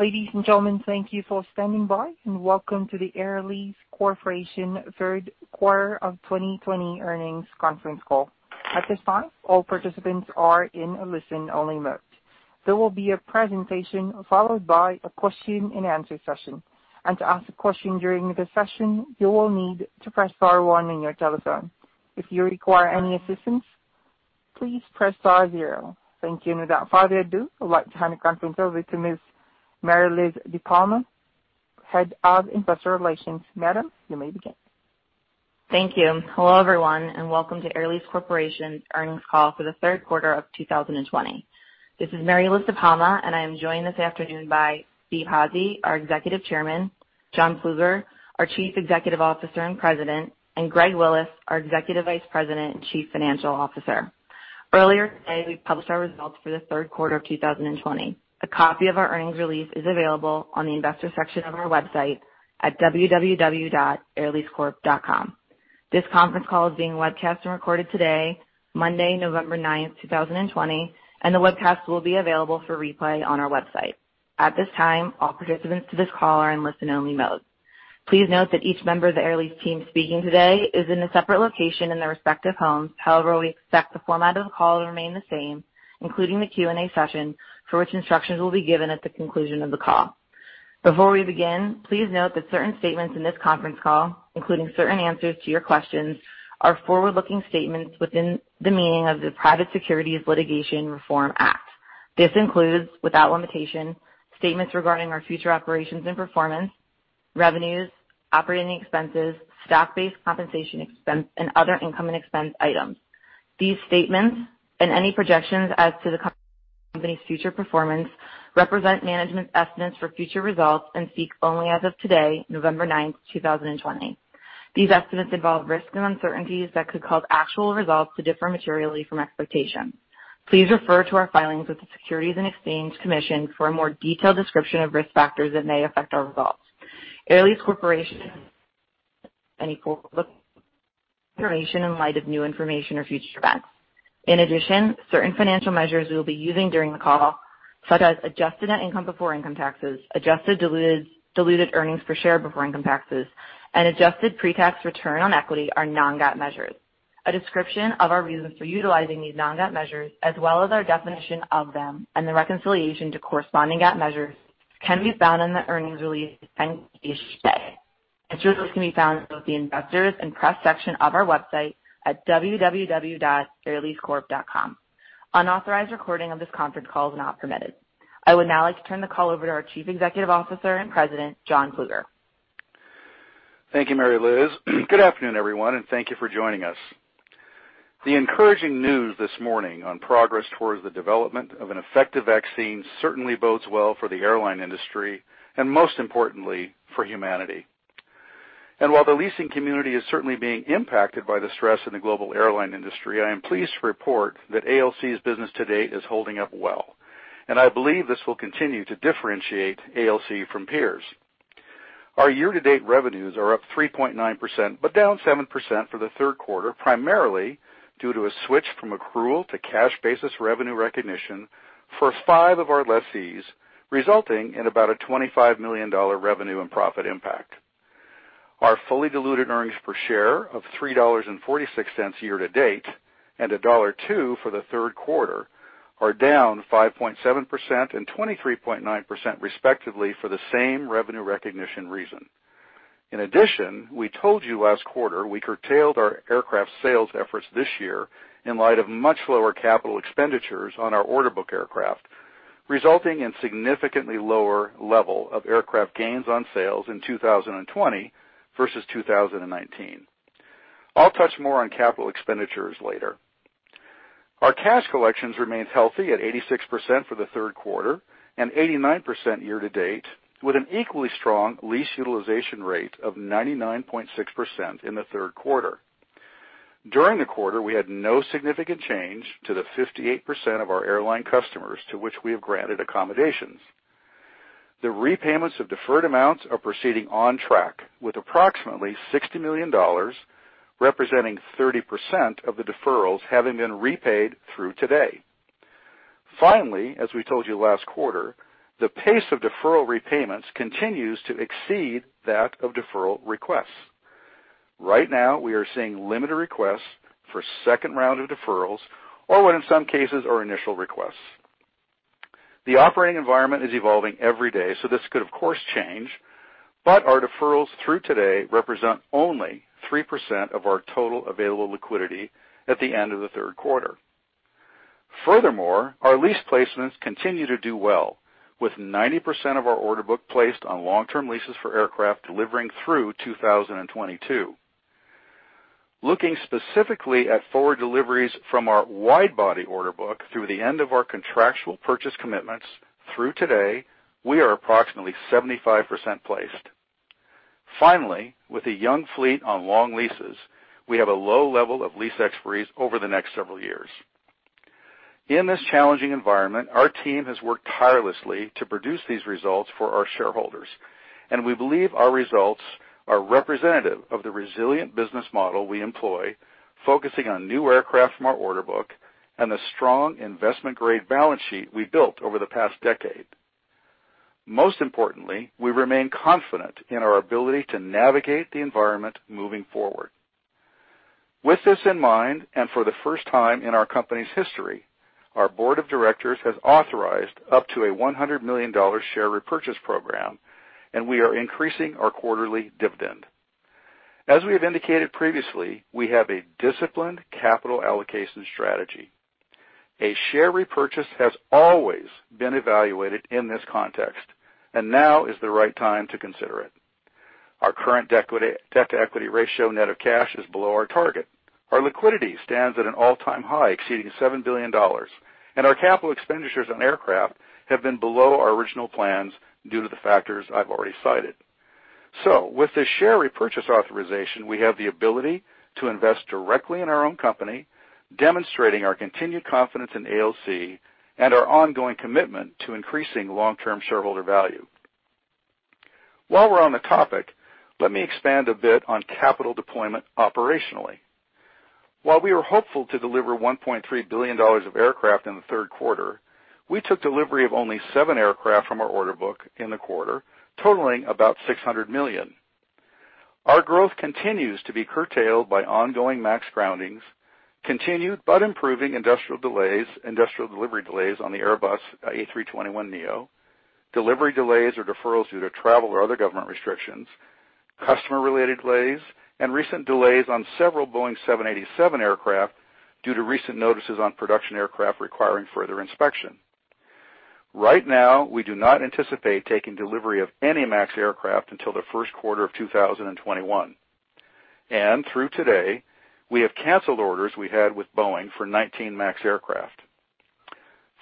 Ladies and gentlemen, thank you for standing by, and welcome to the Air Lease Corporation Third Quarter of 2020 earnings conference call. At this time, all participants are in a listen-only mode. There will be a presentation followed by a question-and-answer session. And to ask a question during the session, you will need to press star one on your telephone. If you require any assistance, please press star zero. Thank you. And without further ado, I'd like to hand the conference over to Ms. Mary Liz DePalma, Head of Investor Relations. Madam, you may begin. Thank you. Hello, everyone, and welcome to Air Lease Corporation's earnings call for the third quarter of 2020. This is Mary Liz DePalma, and I am joined this afternoon by Steve Hazy, our Executive Chairman, John Plueger, our Chief Executive Officer and President, and Greg Willis, our Executive Vice President and Chief Financial Officer. Earlier today, we published our results for the third quarter of 2020. A copy of our earnings release is available on the investor section of our website at www.airleasecorp.com. This conference call is being webcast and recorded today, Monday, November 9, 2020, and the webcast will be available for replay on our website. At this time, all participants to this call are in listen-only mode. Please note that each member of the Air Lease team speaking today is in a separate location in their respective homes. However, we expect the format of the call to remain the same, including the Q&A session, for which instructions will be given at the conclusion of the call. Before we begin, please note that certain statements in this conference call, including certain answers to your questions, are forward-looking statements within the meaning of the Private Securities Litigation Reform Act. This includes, without limitation, statements regarding our future operations and performance, revenues, operating expenses, stock-based compensation expense, and other income and expense items. These statements and any projections as to the company's future performance represent management's estimates for future results and speak only as of today, November 9, 2020. These estimates involve risks and uncertainties that could cause actual results to differ materially from expectations. Please refer to our filings with the Securities and Exchange Commission for a more detailed description of risk factors that may affect our results. Air Lease Corporation assumes no obligation to update any forward-looking information in light of new information or future events. In addition, certain financial measures we will be using during the call, such as adjusted net income before income taxes, adjusted diluted earnings per share before income taxes, and adjusted pre-tax return on equity, are non-GAAP measures. A description of our reasons for utilizing these non-GAAP measures, as well as our definition of them and the reconciliation to corresponding GAAP measures, can be found in the earnings release and 8-K. Materials can be found in both the Investor Relations and Press Release sections of our website at www.airleasecorp.com. Unauthorized recording of this conference call is not permitted. I would now like to turn the call over to our Chief Executive Officer and President, John Plueger. Thank you, Mary Liz. Good afternoon, everyone, and thank you for joining us. The encouraging news this morning on progress towards the development of an effective vaccine certainly bodes well for the airline industry and, most importantly, for humanity. And while the leasing community is certainly being impacted by the stress in the global airline industry, I am pleased to report that ALC's business to date is holding up well, and I believe this will continue to differentiate ALC from peers. Our year-to-date revenues are up 3.9%, but down 7% for the third quarter, primarily due to a switch from accrual to cash basis revenue recognition for five of our lessees, resulting in about a $25 million revenue and profit impact. Our fully diluted earnings per share of $3.46 year-to-date and $1.02 for the third quarter are down 5.7% and 23.9%, respectively, for the same revenue recognition reason. In addition, we told you last quarter we curtailed our aircraft sales efforts this year in light of much lower capital expenditures on our order book aircraft, resulting in a significantly lower level of aircraft gains on sales in 2020 versus 2019. I'll touch more on capital expenditures later. Our cash collections remained healthy at 86% for the third quarter and 89% year-to-date, with an equally strong lease utilization rate of 99.6% in the third quarter. During the quarter, we had no significant change to the 58% of our airline customers to which we have granted accommodations. The repayments of deferred amounts are proceeding on track, with approximately $60 million, representing 30% of the deferrals having been repaid through today. Finally, as we told you last quarter, the pace of deferral repayments continues to exceed that of deferral requests. Right now, we are seeing limited requests for the second round of deferrals or, in some cases, our initial requests. The operating environment is evolving every day, so this could, of course, change, but our deferrals through today represent only 3% of our total available liquidity at the end of the third quarter. Furthermore, our lease placements continue to do well, with 90% of our order book placed on long-term leases for aircraft delivering through 2022. Looking specifically at forward deliveries from our widebody order book through the end of our contractual purchase commitments through today, we are approximately 75% placed. Finally, with a young fleet on long leases, we have a low level of lease expiry over the next several years. In this challenging environment, our team has worked tirelessly to produce these results for our shareholders, and we believe our results are representative of the resilient business model we employ, focusing on new aircraft from our order book and the strong investment-grade balance sheet we built over the past decade. Most importantly, we remain confident in our ability to navigate the environment moving forward. With this in mind, and for the first time in our company's history, our board of directors has authorized up to a $100 million share repurchase program, and we are increasing our quarterly dividend. As we have indicated previously, we have a disciplined capital allocation strategy. A share repurchase has always been evaluated in this context, and now is the right time to consider it. Our current debt-to-equity ratio net of cash is below our target. Our liquidity stands at an all-time high exceeding $7 billion, and our capital expenditures on aircraft have been below our original plans due to the factors I've already cited. So, with the share repurchase authorization, we have the ability to invest directly in our own company, demonstrating our continued confidence in ALC and our ongoing commitment to increasing long-term shareholder value. While we're on the topic, let me expand a bit on capital deployment operationally. While we were hopeful to deliver $1.3 billion of aircraft in the third quarter, we took delivery of only seven aircraft from our order book in the quarter, totaling about $600 million. Our growth continues to be curtailed by ongoing MAX groundings, continued but improving industrial delays, industrial delivery delays on the Airbus A321neo, delivery delays or deferrals due to travel or other government restrictions, customer-related delays, and recent delays on several Boeing 787 aircraft due to recent notices on production aircraft requiring further inspection. Right now, we do not anticipate taking delivery of any MAX aircraft until the first quarter of 2021, and through today, we have canceled orders we had with Boeing for 19 MAX aircraft.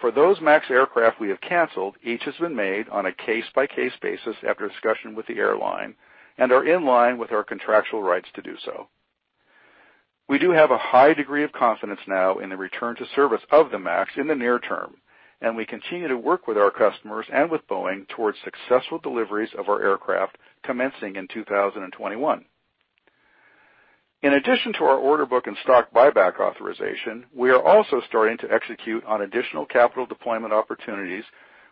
For those MAX aircraft we have canceled, each has been made on a case-by-case basis after discussion with the airline and are in line with our contractual rights to do so. We do have a high degree of confidence now in the return to service of the MAX in the near term, and we continue to work with our customers and with Boeing towards successful deliveries of our aircraft commencing in 2021. In addition to our order book and stock buyback authorization, we are also starting to execute on additional capital deployment opportunities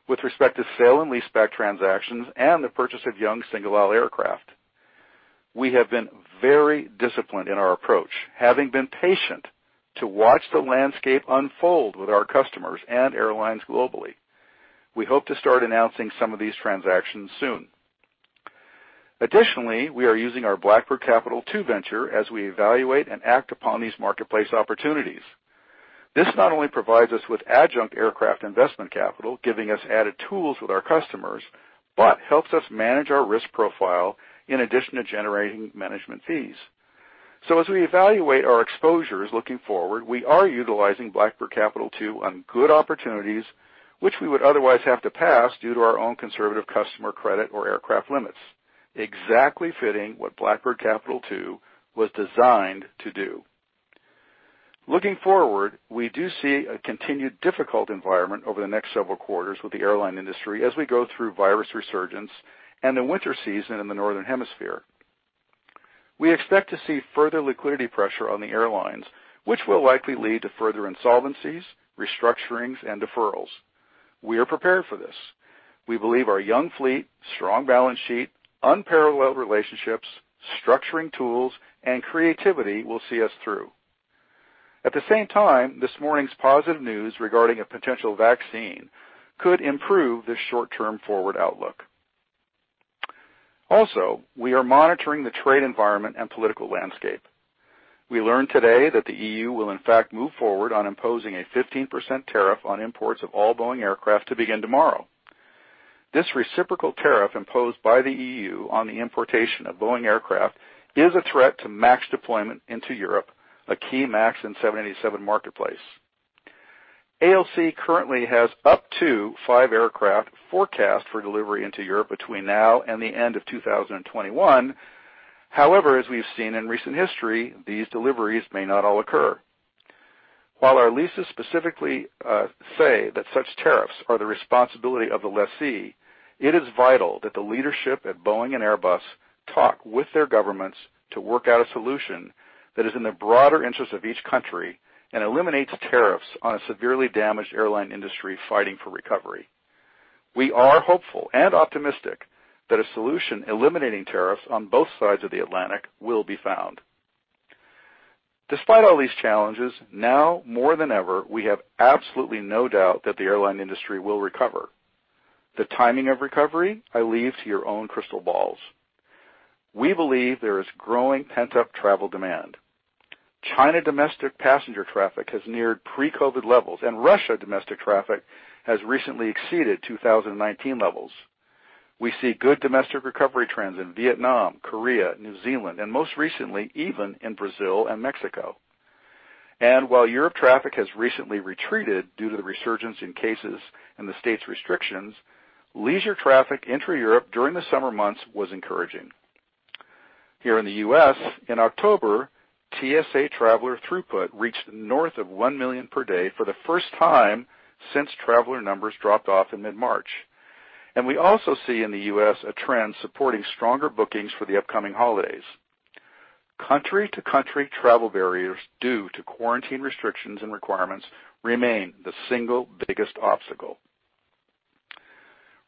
with respect to sale and lease-back transactions and the purchase of young single-aisle aircraft. We have been very disciplined in our approach, having been patient to watch the landscape unfold with our customers and airlines globally. We hope to start announcing some of these transactions soon. Additionally, we are using our Blackbird Capital II venture as we evaluate and act upon these marketplace opportunities. This not only provides us with adjunct aircraft investment capital, giving us added tools with our customers, but helps us manage our risk profile in addition to generating management fees. So, as we evaluate our exposures looking forward, we are utilizing Blackbird Capital II on good opportunities, which we would otherwise have to pass due to our own conservative customer credit or aircraft limits, exactly fitting what Blackbird Capital II was designed to do. Looking forward, we do see a continued difficult environment over the next several quarters with the airline industry as we go through virus resurgence and the winter season in the northern hemisphere. We expect to see further liquidity pressure on the airlines, which will likely lead to further insolvencies, restructurings, and deferrals. We are prepared for this. We believe our young fleet, strong balance sheet, unparalleled relationships, structuring tools, and creativity will see us through. At the same time, this morning's positive news regarding a potential vaccine could improve the short-term forward outlook. Also, we are monitoring the trade environment and political landscape. We learned today that the EU will, in fact, move forward on imposing a 15% tariff on imports of all Boeing aircraft to begin tomorrow. This reciprocal tariff imposed by the EU on the importation of Boeing aircraft is a threat to MAX deployment into Europe, a key MAX in 787 marketplace. ALC currently has up to five aircraft forecast for delivery into Europe between now and the end of 2021. However, as we've seen in recent history, these deliveries may not all occur. While our leases specifically say that such tariffs are the responsibility of the lessee, it is vital that the leadership at Boeing and Airbus talk with their governments to work out a solution that is in the broader interest of each country and eliminates tariffs on a severely damaged airline industry fighting for recovery. We are hopeful and optimistic that a solution eliminating tariffs on both sides of the Atlantic will be found. Despite all these challenges, now more than ever, we have absolutely no doubt that the airline industry will recover. The timing of recovery I leave to your own crystal balls. We believe there is growing pent-up travel demand. China domestic passenger traffic has neared pre-COVID levels, and Russia domestic traffic has recently exceeded 2019 levels. We see good domestic recovery trends in Vietnam, Korea, New Zealand, and most recently, even in Brazil and Mexico. While Europe traffic has recently retreated due to the resurgence in cases and the state's restrictions, leisure traffic into Europe during the summer months was encouraging. Here in the U.S., in October, TSA traveler throughput reached north of one million per day for the first time since traveler numbers dropped off in mid-March. We also see in the U.S. a trend supporting stronger bookings for the upcoming holidays. Country-to-country travel barriers due to quarantine restrictions and requirements remain the single biggest obstacle.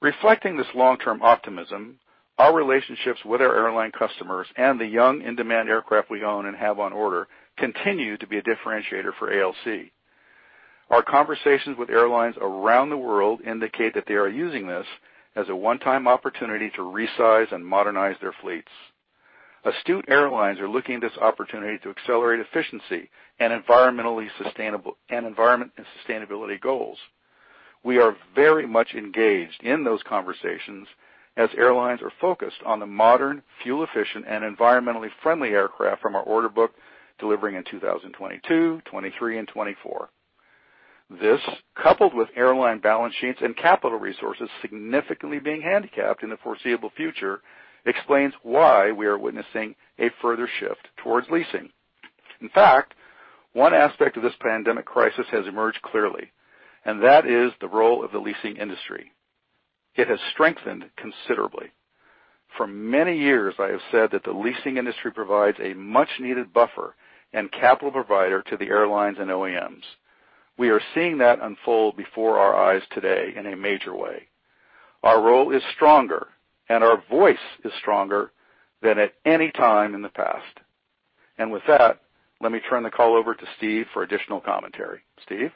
Reflecting this long-term optimism, our relationships with our airline customers and the young in-demand aircraft we own and have on order continue to be a differentiator for ALC. Our conversations with airlines around the world indicate that they are using this as a one-time opportunity to resize and modernize their fleets. Astute airlines are looking at this opportunity to accelerate efficiency and environmental sustainability goals. We are very much engaged in those conversations as airlines are focused on the modern, fuel-efficient, and environmentally friendly aircraft from our order book delivering in 2022, 2023, and 2024. This, coupled with airline balance sheets and capital resources significantly being handicapped in the foreseeable future, explains why we are witnessing a further shift towards leasing. In fact, one aspect of this pandemic crisis has emerged clearly, and that is the role of the leasing industry. It has strengthened considerably. For many years, I have said that the leasing industry provides a much-needed buffer and capital provider to the airlines and OEMs. We are seeing that unfold before our eyes today in a major way. Our role is stronger, and our voice is stronger than at any time in the past. And with that, let me turn the call over to Steve for additional commentary. Steve?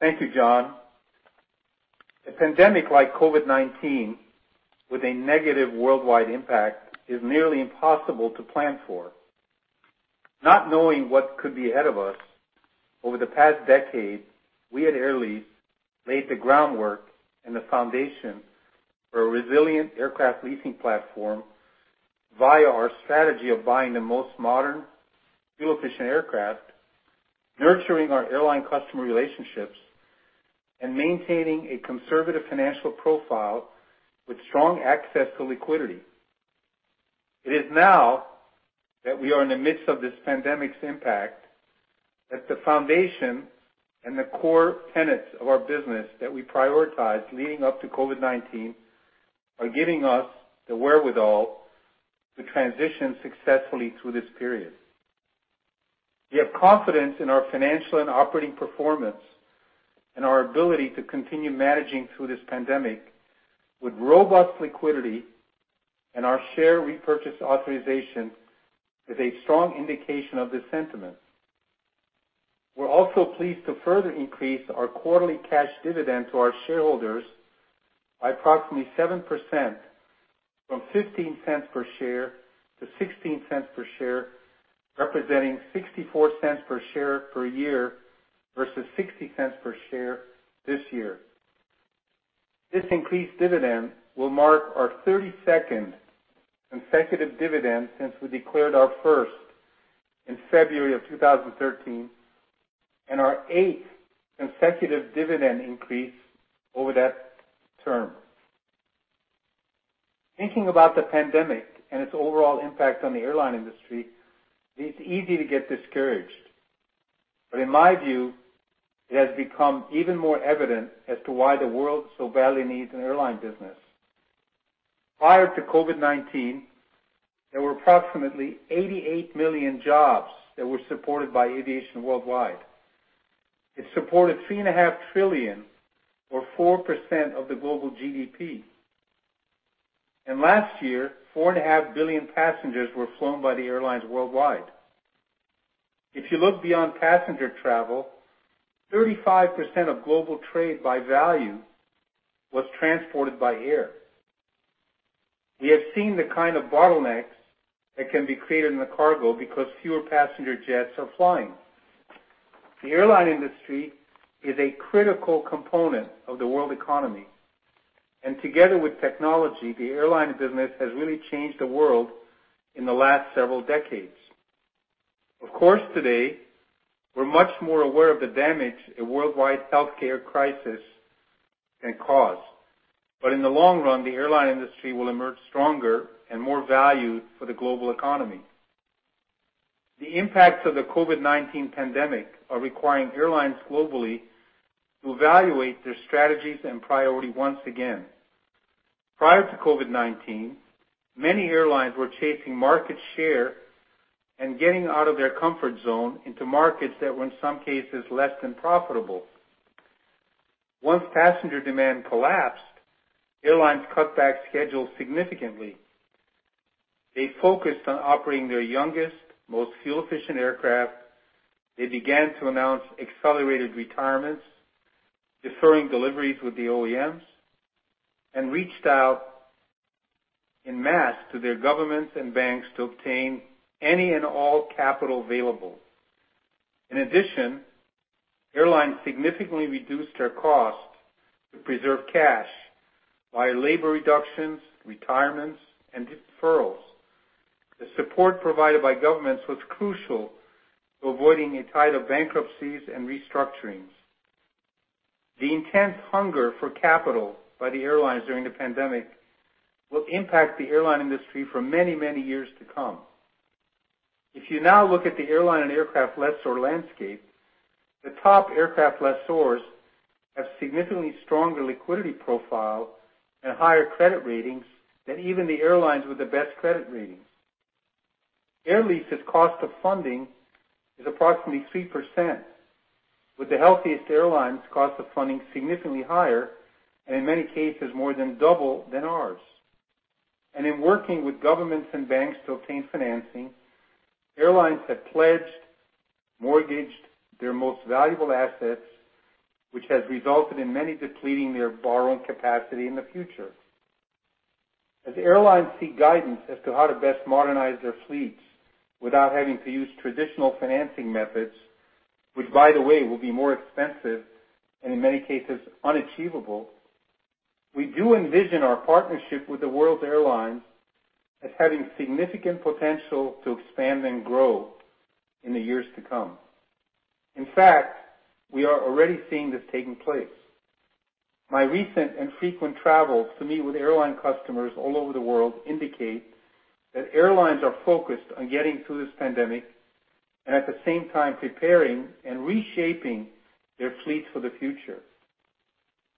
Thank you, John. A pandemic like COVID-19, with a negative worldwide impact, is nearly impossible to plan for. Not knowing what could be ahead of us, over the past decade, we at Air Lease laid the groundwork and the foundation for a resilient aircraft leasing platform via our strategy of buying the most modern, fuel-efficient aircraft, nurturing our airline customer relationships, and maintaining a conservative financial profile with strong access to liquidity. It is now that we are in the midst of this pandemic's impact that the foundation and the core tenets of our business that we prioritized leading up to COVID-19 are giving us the wherewithal to transition successfully through this period. We have confidence in our financial and operating performance and our ability to continue managing through this pandemic with robust liquidity, and our share repurchase authorization is a strong indication of this sentiment. We're also pleased to further increase our quarterly cash dividend to our shareholders by approximately 7% from $0.15 per share to $0.16 per share, representing $0.64 per share per year versus $0.60 per share this year. This increased dividend will mark our 32nd consecutive dividend since we declared our first in February of 2013 and our eighth consecutive dividend increase over that term. Thinking about the pandemic and its overall impact on the airline industry, it's easy to get discouraged, but in my view, it has become even more evident as to why the world so badly needs an airline business. Prior to COVID-19, there were approximately 88 million jobs that were supported by aviation worldwide. It supported $3.5 trillion, or 4% of the global GDP, and last year, 4.5 billion passengers were flown by the airlines worldwide. If you look beyond passenger travel, 35% of global trade by value was transported by air. We have seen the kind of bottlenecks that can be created in the cargo because fewer passenger jets are flying. The airline industry is a critical component of the world economy, and together with technology, the airline business has really changed the world in the last several decades. Of course, today, we're much more aware of the damage a worldwide healthcare crisis can cause, but in the long run, the airline industry will emerge stronger and more valued for the global economy. The impacts of the COVID-19 pandemic are requiring airlines globally to evaluate their strategies and priorities once again. Prior to COVID-19, many airlines were chasing market share and getting out of their comfort zone into markets that were, in some cases, less than profitable. Once passenger demand collapsed, airlines cut back schedules significantly. They focused on operating their youngest, most fuel-efficient aircraft. They began to announce accelerated retirements, deferring deliveries with the OEMs, and reached out en masse to their governments and banks to obtain any and all capital available. In addition, airlines significantly reduced their costs to preserve cash via labor reductions, retirements, and deferrals. The support provided by governments was crucial to avoiding a tide of bankruptcies and restructurings. The intense hunger for capital by the airlines during the pandemic will impact the airline industry for many, many years to come. If you now look at the airline and aircraft lessor landscape, the top aircraft lessors have significantly stronger liquidity profile and higher credit ratings than even the airlines with the best credit ratings. Air Lease's cost of funding is approximately 3%, with the healthiest airlines' cost of funding significantly higher and, in many cases, more than double than ours, and in working with governments and banks to obtain financing, airlines have pledged or mortgaged their most valuable assets, which has resulted in many depleting their borrowing capacity in the future. As airlines seek guidance as to how to best modernize their fleets without having to use traditional financing methods, which, by the way, will be more expensive and, in many cases, unachievable, we do envision our partnership with the world's airlines as having significant potential to expand and grow in the years to come. In fact, we are already seeing this taking place. My recent and frequent travels to meet with airline customers all over the world indicate that airlines are focused on getting through this pandemic and, at the same time, preparing and reshaping their fleets for the future.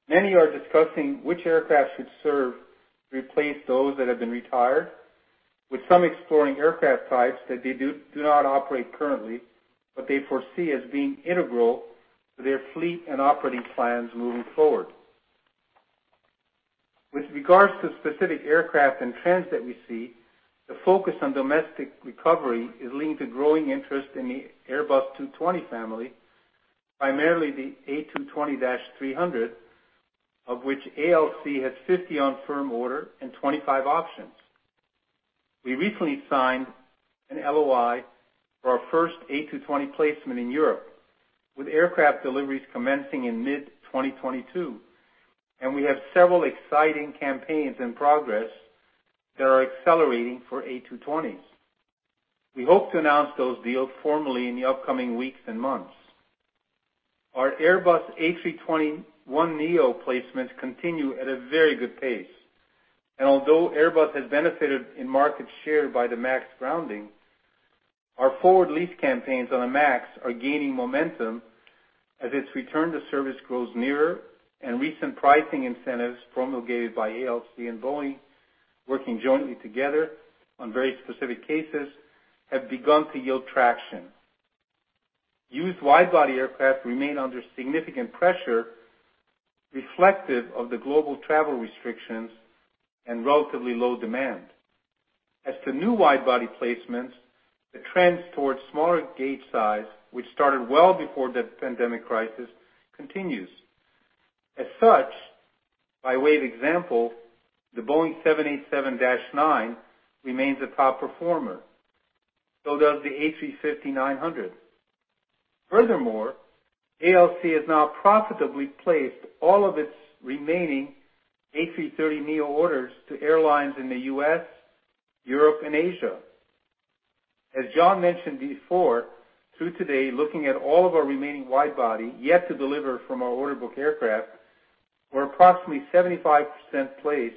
Many are discussing which aircraft should serve to replace those that have been retired, with some exploring aircraft types that they do not operate currently, but they foresee as being integral to their fleet and operating plans moving forward. With regards to specific aircraft and trends that we see, the focus on domestic recovery is leading to growing interest in the Airbus A220 family, primarily the A220-300, of which ALC has 50 on firm order and 25 options. We recently signed an LOI for our first A220 placement in Europe, with aircraft deliveries commencing in mid-2022, and we have several exciting campaigns in progress that are accelerating for A220s. We hope to announce those deals formally in the upcoming weeks and months. Our Airbus A321neo placements continue at a very good pace, and although Airbus has benefited in market share by the MAX grounding, our forward lease campaigns on the MAX are gaining momentum as its return to service grows nearer, and recent pricing incentives promulgated by ALC and Boeing, working jointly together on very specific cases, have begun to yield traction. Used widebody aircraft remain under significant pressure, reflective of the global travel restrictions and relatively low demand. As to new widebody placements, the trend towards smaller gauge size, which started well before the pandemic crisis, continues. As such, by way of example, the Boeing 787-9 remains a top performer, so does the A350-900. Furthermore, ALC has now profitably placed all of its remaining A330neo orders to airlines in the US, Europe, and Asia. As John mentioned before, through today, looking at all of our remaining widebody yet to deliver from our order book aircraft, we're approximately 75% placed,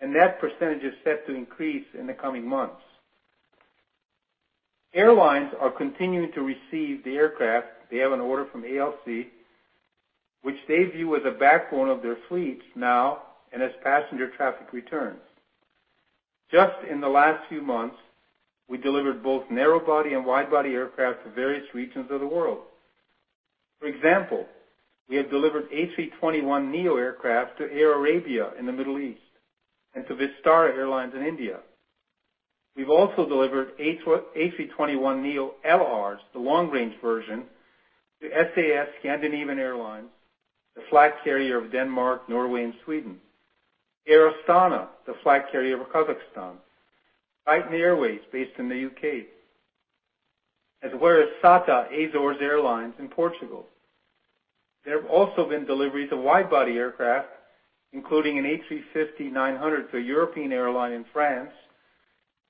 and that percentage is set to increase in the coming months. Airlines are continuing to receive the aircraft they have in order from ALC, which they view as a backbone of their fleets now and as passenger traffic returns. Just in the last few months, we delivered both narrowbody and widebody aircraft to various regions of the world. For example, we have delivered A321neo aircraft to Air Arabia in the Middle East and to Vistara Airlines in India. We've also delivered A321neo LRs, the long-range version, to SAS Scandinavian Airlines, the flag carrier of Denmark, Norway, and Sweden, Air Astana, the flag carrier of Kazakhstan, Titan Airways, based in the UK, as well as SATA Azores Airlines in Portugal. There have also been deliveries of widebody aircraft, including an A350-900 to a European airline in France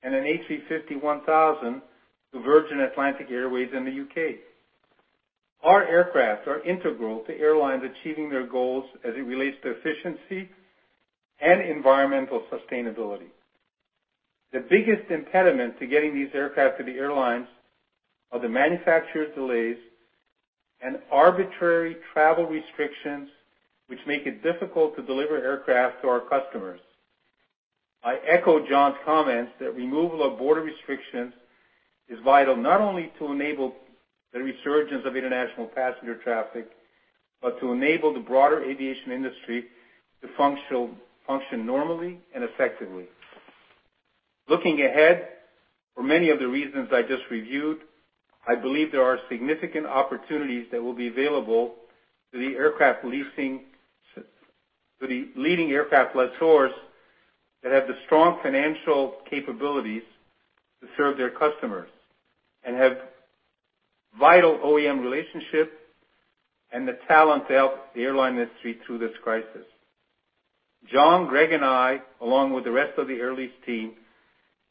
and an A350-1000 to Virgin Atlantic Airways in the U.K. Our aircraft are integral to airlines achieving their goals as it relates to efficiency and environmental sustainability. The biggest impediment to getting these aircraft to the airlines are the manufacturer's delays and arbitrary travel restrictions, which make it difficult to deliver aircraft to our customers. I echo John's comments that removal of border restrictions is vital not only to enable the resurgence of international passenger traffic but to enable the broader aviation industry to function normally and effectively. Looking ahead for many of the reasons I just reviewed, I believe there are significant opportunities that will be available to the leading aircraft lessors that have the strong financial capabilities to serve their customers and have vital OEM relationships and the talent to help the airline industry through this crisis. John, Greg, and I, along with the rest of the Air Lease team,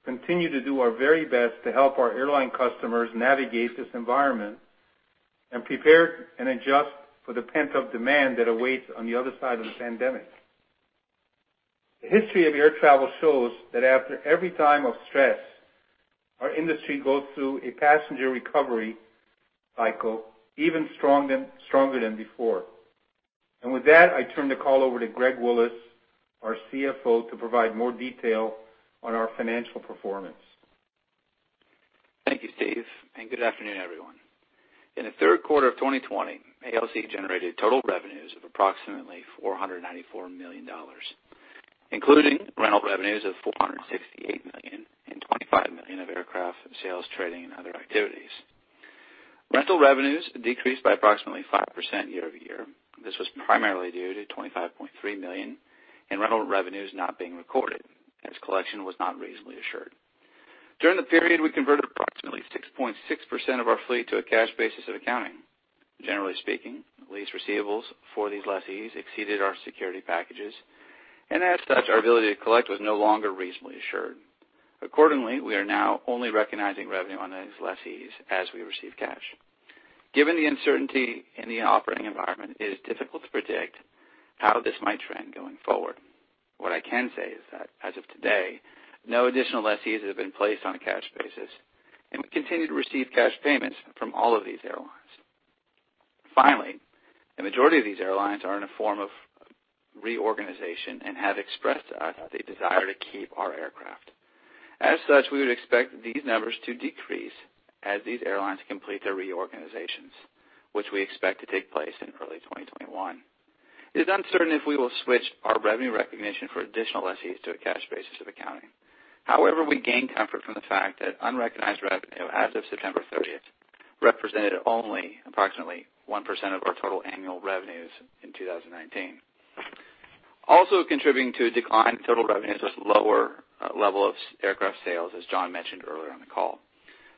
continue to do our very best to help our airline customers navigate this environment and prepare and adjust for the pent-up demand that awaits on the other side of the pandemic. The history of air travel shows that after every time of stress, our industry goes through a passenger recovery cycle even stronger than before, and with that, I turn the call over to Greg Willis, our CFO, to provide more detail on our financial performance. Thank you, Steve, and good afternoon, everyone. In the third quarter of 2020, ALC generated total revenues of approximately $494 million, including rental revenues of $468 million and $25 million of aircraft sales, trading, and other activities. Rental revenues decreased by approximately 5% year-over year. This was primarily due to $25.3 million in rental revenues not being recorded as collection was not reasonably assured. During the period, we converted approximately 6.6% of our fleet to a cash basis of accounting. Generally speaking, lease receivables for these lessees exceeded our security packages, and as such, our ability to collect was no longer reasonably assured. Accordingly, we are now only recognizing revenue on these lessees as we receive cash. Given the uncertainty in the operating environment, it is difficult to predict how this might trend going forward. What I can say is that, as of today, no additional lessees have been placed on a cash basis, and we continue to receive cash payments from all of these airlines. Finally, the majority of these airlines are in a form of reorganization and have expressed to us that they desire to keep our aircraft. As such, we would expect these numbers to decrease as these airlines complete their reorganizations, which we expect to take place in early 2021. It is uncertain if we will switch our revenue recognition for additional lessees to a cash basis of accounting. However, we gain comfort from the fact that unrecognized revenue, as of September 30th, represented only approximately 1% of our total annual revenues in 2019, also contributing to a decline in total revenues with a lower level of aircraft sales, as John mentioned earlier in the call.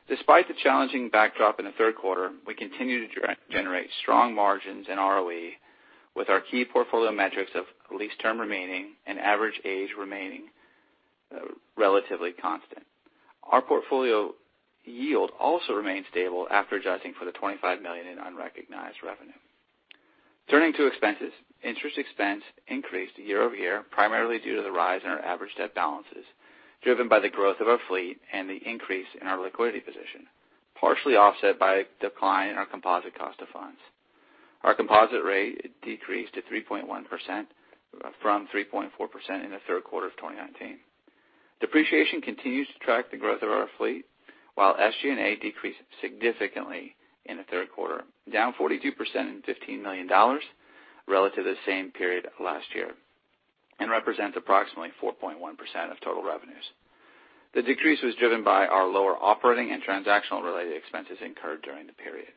Despite the challenging backdrop in the third quarter, we continue to generate strong margins in ROE with our key portfolio metrics of lease term remaining and average age remaining relatively constant. Our portfolio yield also remained stable after adjusting for the $25 million in unrecognized revenue. Turning to expenses, interest expense increased year-over-year, primarily due to the rise in our average debt balances driven by the growth of our fleet and the increase in our liquidity position, partially offset by a decline in our composite cost of funds. Our composite rate decreased to 3.1% from 3.4% in the third quarter of 2019. Depreciation continues to track the growth of our fleet, while SG&A decreased significantly in the third quarter, down 42% and $15 million relative to the same period last year, and represents approximately 4.1% of total revenues. The decrease was driven by our lower operating and transactional-related expenses incurred during the period.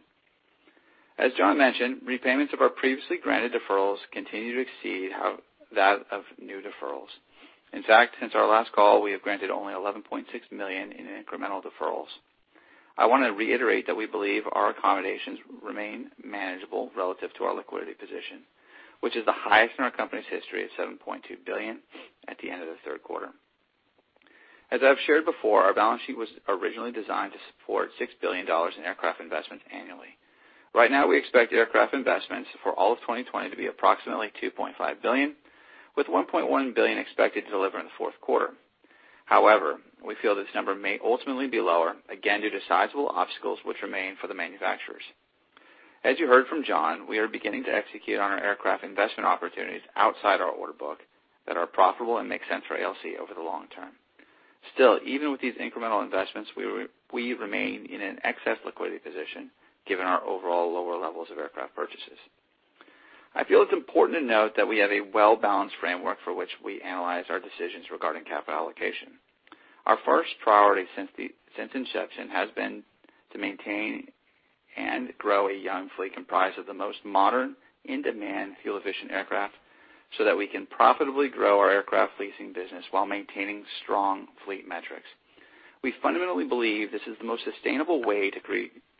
As John mentioned, repayments of our previously granted deferrals continue to exceed that of new deferrals. In fact, since our last call, we have granted only $11.6 million in incremental deferrals. I want to reiterate that we believe our accommodations remain manageable relative to our liquidity position, which is the highest in our company's history at $7.2 billion at the end of the third quarter. As I've shared before, our balance sheet was originally designed to support $6 billion in aircraft investments annually. Right now, we expect aircraft investments for all of 2020 to be approximately $2.5 billion, with $1.1 billion expected to deliver in the fourth quarter. However, we feel this number may ultimately be lower, again due to sizable obstacles which remain for the manufacturers. As you heard from John, we are beginning to execute on our aircraft investment opportunities outside our order book that are profitable and make sense for ALC over the long term. Still, even with these incremental investments, we remain in an excess liquidity position given our overall lower levels of aircraft purchases. I feel it's important to note that we have a well-balanced framework for which we analyze our decisions regarding capital allocation. Our first priority since inception has been to maintain and grow a young fleet comprised of the most modern, in-demand, fuel-efficient aircraft so that we can profitably grow our aircraft leasing business while maintaining strong fleet metrics. We fundamentally believe this is the most sustainable way to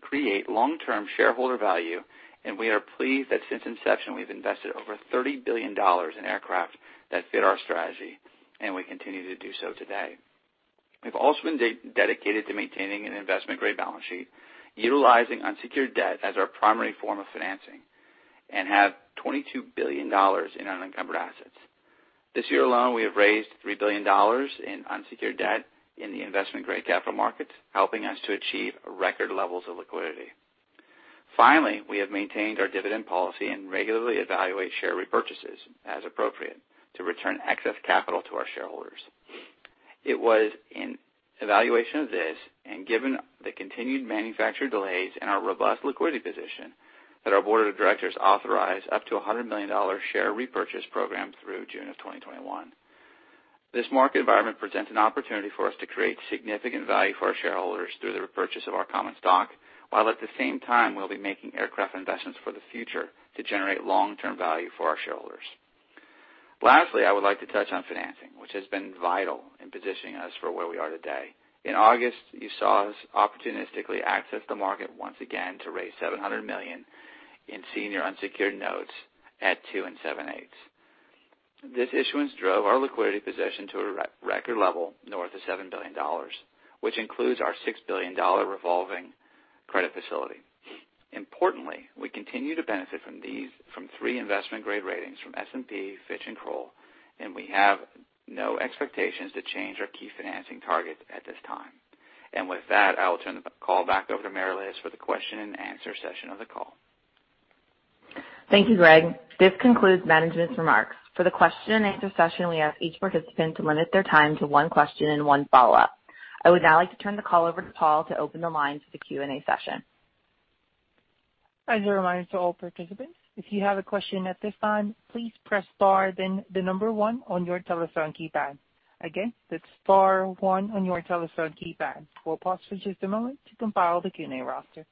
create long-term shareholder value, and we are pleased that since inception, we've invested over $30 billion in aircraft that fit our strategy, and we continue to do so today. We've also been dedicated to maintaining an investment-grade balance sheet, utilizing unsecured debt as our primary form of financing, and have $22 billion in unencumbered assets. This year alone, we have raised $3 billion in unsecured debt in the investment-grade capital markets, helping us to achieve record levels of liquidity. Finally, we have maintained our dividend policy and regularly evaluate share repurchases as appropriate to return excess capital to our shareholders. It was in evaluation of this and given the continued manufacturer delays and our robust liquidity position that our board of directors authorized up to a $100 million share repurchase program through June of 2021. This market environment presents an opportunity for us to create significant value for our shareholders through the repurchase of our common stock, while at the same time, we'll be making aircraft investments for the future to generate long-term value for our shareholders. Lastly, I would like to touch on financing, which has been vital in positioning us for where we are today. In August, you saw us opportunistically access the market once again to raise $700 million in senior unsecured notes at 2 and 7/8. This issuance drove our liquidity position to a record level north of $7 billion, which includes our $6 billion revolving credit facility. Importantly, we continue to benefit from three investment-grade ratings from S&P, Fitch, and Kroll, and we have no expectations to change our key financing target at this time. And with that, I will turn the call back over to Mary Liz for the question-and-answer session of the call. Thank you, Greg. This concludes management's remarks. For the question-and-answer session, we ask each participant to limit their time to one question and one follow-up. I would now like to turn the call over to Paul to open the lines for the Q&A session. As a reminder to all participants, if you have a question at this time, please press star then the number one on your telephone keypad. Again, that's star one on your telephone keypad. We'll pause for just a moment to compile the Q&A roster.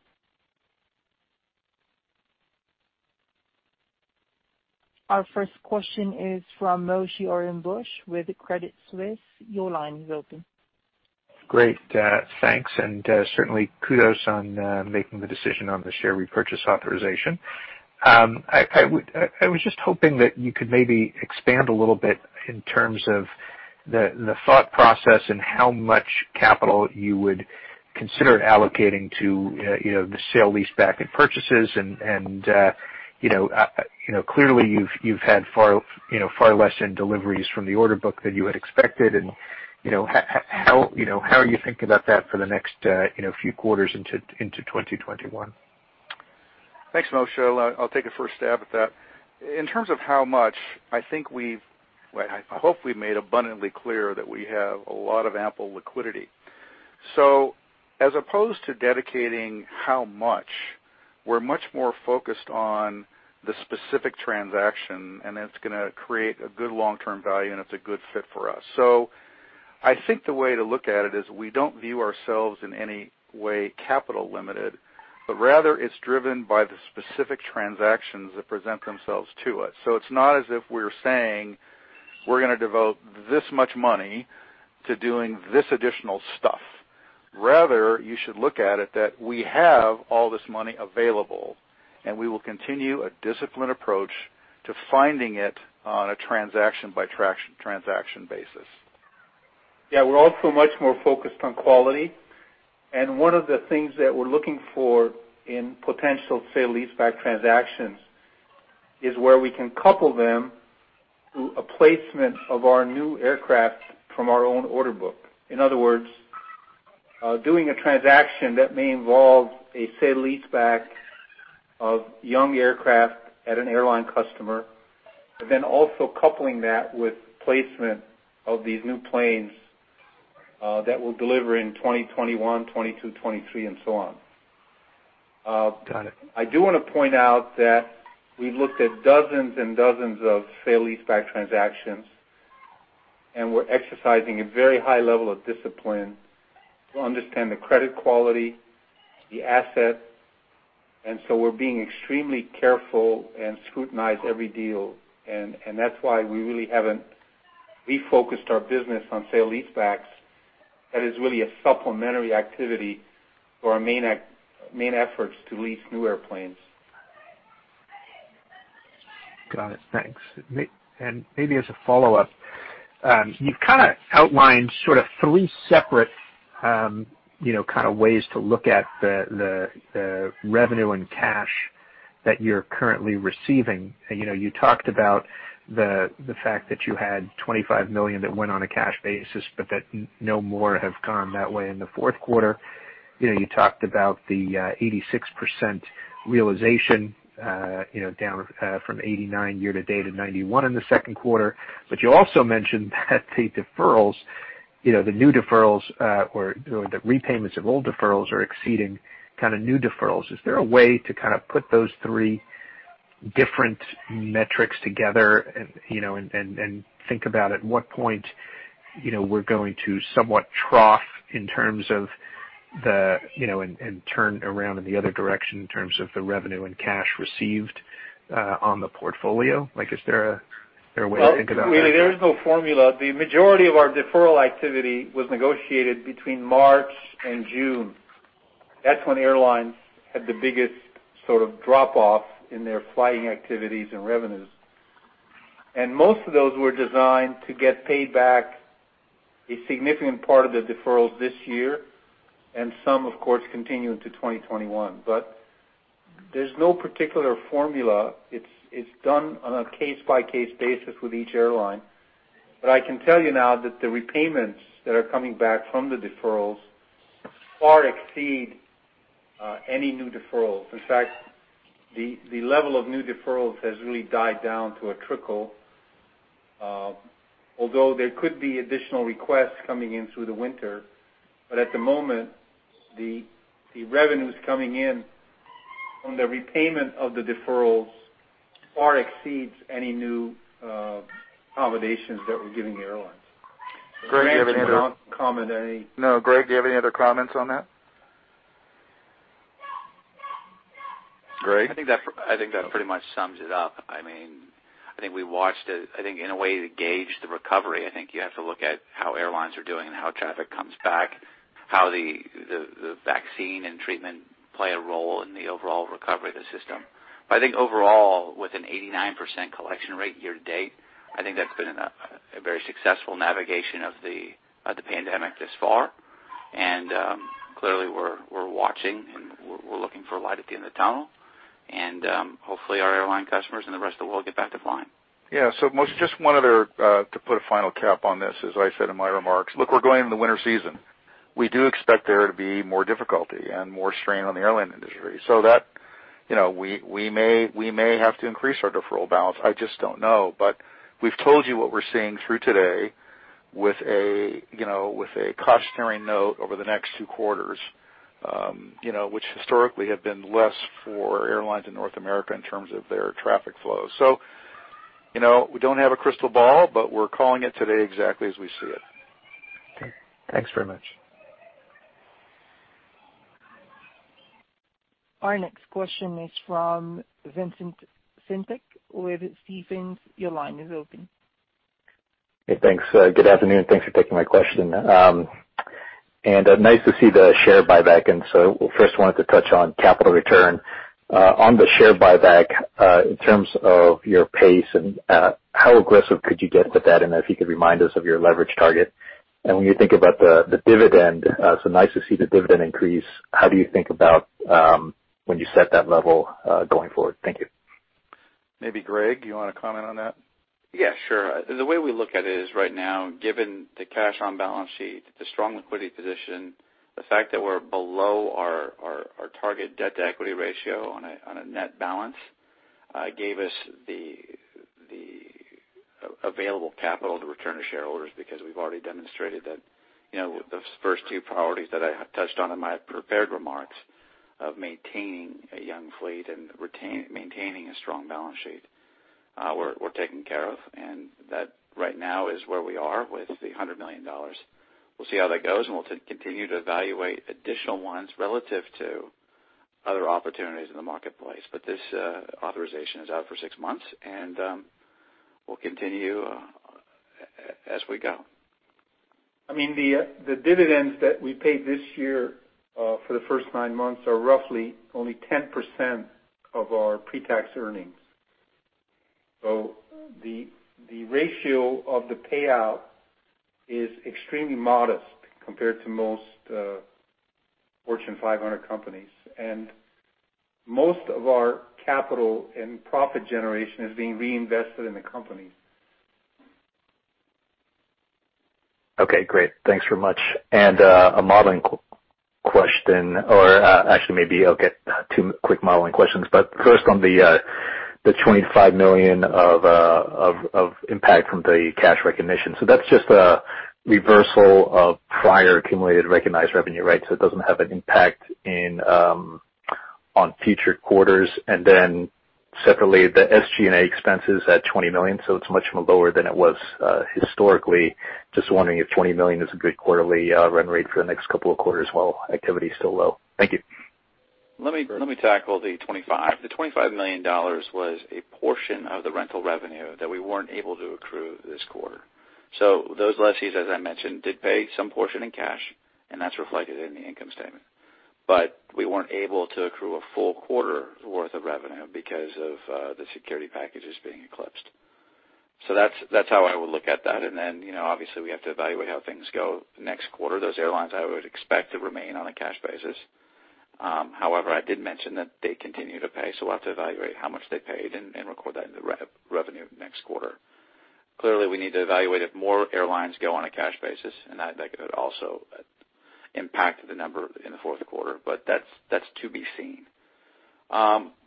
Our first question is from Moshe Orenbuch with Credit Suisse. Your line is open. Great. Thanks, and certainly kudos on making the decision on the share repurchase authorization. I was just hoping that you could maybe expand a little bit in terms of the thought process and how much capital you would consider allocating to the sale-leaseback and purchases. And clearly, you've had far less in deliveries from the order book than you had expected. And how are you thinking about that for the next few quarters into 2021? Thanks, Moshe. I'll take a first stab at that. In terms of how much, I think I hope we've made abundantly clear that we have a lot of ample liquidity. So as opposed to dedicating how much, we're much more focused on the specific transaction, and it's going to create a good long-term value, and it's a good fit for us. So I think the way to look at it is we don't view ourselves in any way capital-limited, but rather it's driven by the specific transactions that present themselves to us. So it's not as if we're saying, "We're going to devote this much money to doing this additional stuff." Rather, you should look at it that we have all this money available, and we will continue a disciplined approach to finding it on a transaction-by-transaction basis. Yeah, we're also much more focused on quality. And one of the things that we're looking for in potential sale-leaseback transactions is where we can couple them to a placement of our new aircraft from our own order book. In other words, doing a transaction that may involve a sale-leaseback of young aircraft at an airline customer, and then also coupling that with placement of these new planes that will deliver in 2021, 2022, 2023, and so on. I do want to point out that we've looked at dozens and dozens of sale-leaseback transactions, and we're exercising a very high level of discipline to understand the credit quality, the asset. And so we're being extremely careful and scrutinize every deal. And that's why we really haven't refocused our business on sale-leasebacks. That is really a supplementary activity to our main efforts to lease new airplanes. Got it. Thanks. And maybe as a follow-up, you've kind of outlined sort of three separate kind of ways to look at the revenue and cash that you're currently receiving. You talked about the fact that you had $25 million that went on a cash basis, but that no more have gone that way in the fourth quarter. You talked about the 86% realization down from 89% year to date at 91% in the second quarter. But you also mentioned that the deferrals, the new deferrals or the repayments of old deferrals are exceeding kind of new deferrals. Is there a way to kind of put those three different metrics together and think about at what point we're going to somewhat trough in terms of the and turn around in the other direction in terms of the revenue and cash received on the portfolio? Is there a way to think about that? Well, really, there is no formula. The majority of our deferral activity was negotiated between March and June. That's when airlines had the biggest sort of drop-off in their flying activities and revenues. And most of those were designed to get paid back a significant part of the deferrals this year, and some, of course, continue into 2021. But there's no particular formula. It's done on a case-by-case basis with each airline. But I can tell you now that the repayments that are coming back from the deferrals far exceed any new deferrals. In fact, the level of new deferrals has really died down to a trickle. Although there could be additional requests coming in through the winter, but at the moment, the revenues coming in from the repayment of the deferrals far exceeds any new accommodations that we're giving the airlines. Greg, do you have any other comment? No, Greg, do you have any other comments on that? Greg? I think that pretty much sums it up. I mean, I think we watched it. I think in a way, it gauged the recovery. I think you have to look at how airlines are doing and how traffic comes back, how the vaccine and treatment play a role in the overall recovery of the system. But I think overall, with an 89% collection rate year to date, I think that's been a very successful navigation of the pandemic thus far. And clearly, we're watching and we're looking for light at the end of the tunnel. And hopefully, our airline customers and the rest of the world get back to flying. Yeah. So Moshe, just one other to put a final cap on this, as I said in my remarks. Look, we're going into the winter season. We do expect there to be more difficulty and more strain on the airline industry. So we may have to increase our deferral balance. I just don't know. But we've told you what we're seeing through today with a cost-sharing note over the next two quarters, which historically have been less for airlines in North America in terms of their traffic flow. So we don't have a crystal ball, but we're calling it today exactly as we see it. Thanks very much. Our next question is from Vincent Caintic with Stephens. Your line is open. Hey, thanks. Good afternoon. Thanks for taking my question. And nice to see the share buyback. And so first, I wanted to touch on capital return. On the share buyback, in terms of your pace, how aggressive could you get with that? And if you could remind us of your leverage target. And when you think about the dividend, so nice to see the dividend increase. How do you think about when you set that level going forward? Thank you. Maybe Greg, you want to comment on that? Yeah, sure. The way we look at it is right now, given the cash on balance sheet, the strong liquidity position, the fact that we're below our target debt-to-equity ratio on a net balance gave us the available capital to return to shareholders because we've already demonstrated that the first two priorities that I touched on in my prepared remarks of maintaining a young fleet and maintaining a strong balance sheet were taken care of, and that right now is where we are with the $100 million. We'll see how that goes, and we'll continue to evaluate additional ones relative to other opportunities in the marketplace, but this authorization is out for six months, and we'll continue as we go. I mean, the dividends that we paid this year for the first nine months are roughly only 10% of our pre-tax earnings. So the ratio of the payout is extremely modest compared to most Fortune 500 companies. And most of our capital and profit generation is being reinvested in the companies. Okay, great. Thanks very much. And a modeling question, or actually, maybe I'll get two quick modeling questions. But first, on the $25 million of impact from the cash recognition. So that's just a reversal of prior accumulated recognized revenue, right? So it doesn't have an impact on future quarters. And then separately, the SG&A expenses at $20 million. So it's much more lower than it was historically. Just wondering if $20 million is a good quarterly run rate for the next couple of quarters while activity is still low. Thank you. Let me tackle the $25. The $25 million was a portion of the rental revenue that we weren't able to accrue this quarter. So those lessees, as I mentioned, did pay some portion in cash, and that's reflected in the income statement, but we weren't able to accrue a full quarter's worth of revenue because of the security packages being eclipsed. So that's how I would look at that, and then, obviously, we have to evaluate how things go next quarter. Those airlines, I would expect to remain on a cash basis. However, I did mention that they continue to pay. So we'll have to evaluate how much they paid and record that in the revenue next quarter. Clearly, we need to evaluate if more airlines go on a cash basis, and that could also impact the number in the fourth quarter, but that's to be seen.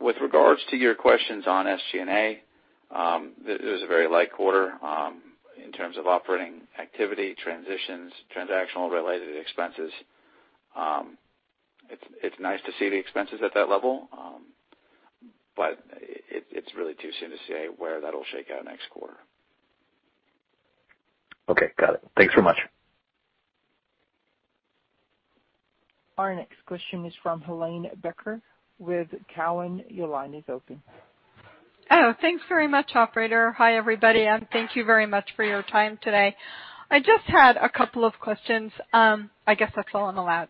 With regards to your questions on SG&A, it was a very light quarter in terms of operating activity, transitions, transactional-related expenses. It's nice to see the expenses at that level, but it's really too soon to say where that'll shake out next quarter. Okay, got it. Thanks very much. Our next question is from Helane Becker with Cowen. Your line is open. Oh, thanks very much, operator. H`i, everybody. And thank you very much for your time today. I just had a couple of questions. I guess that's all I'm allowed.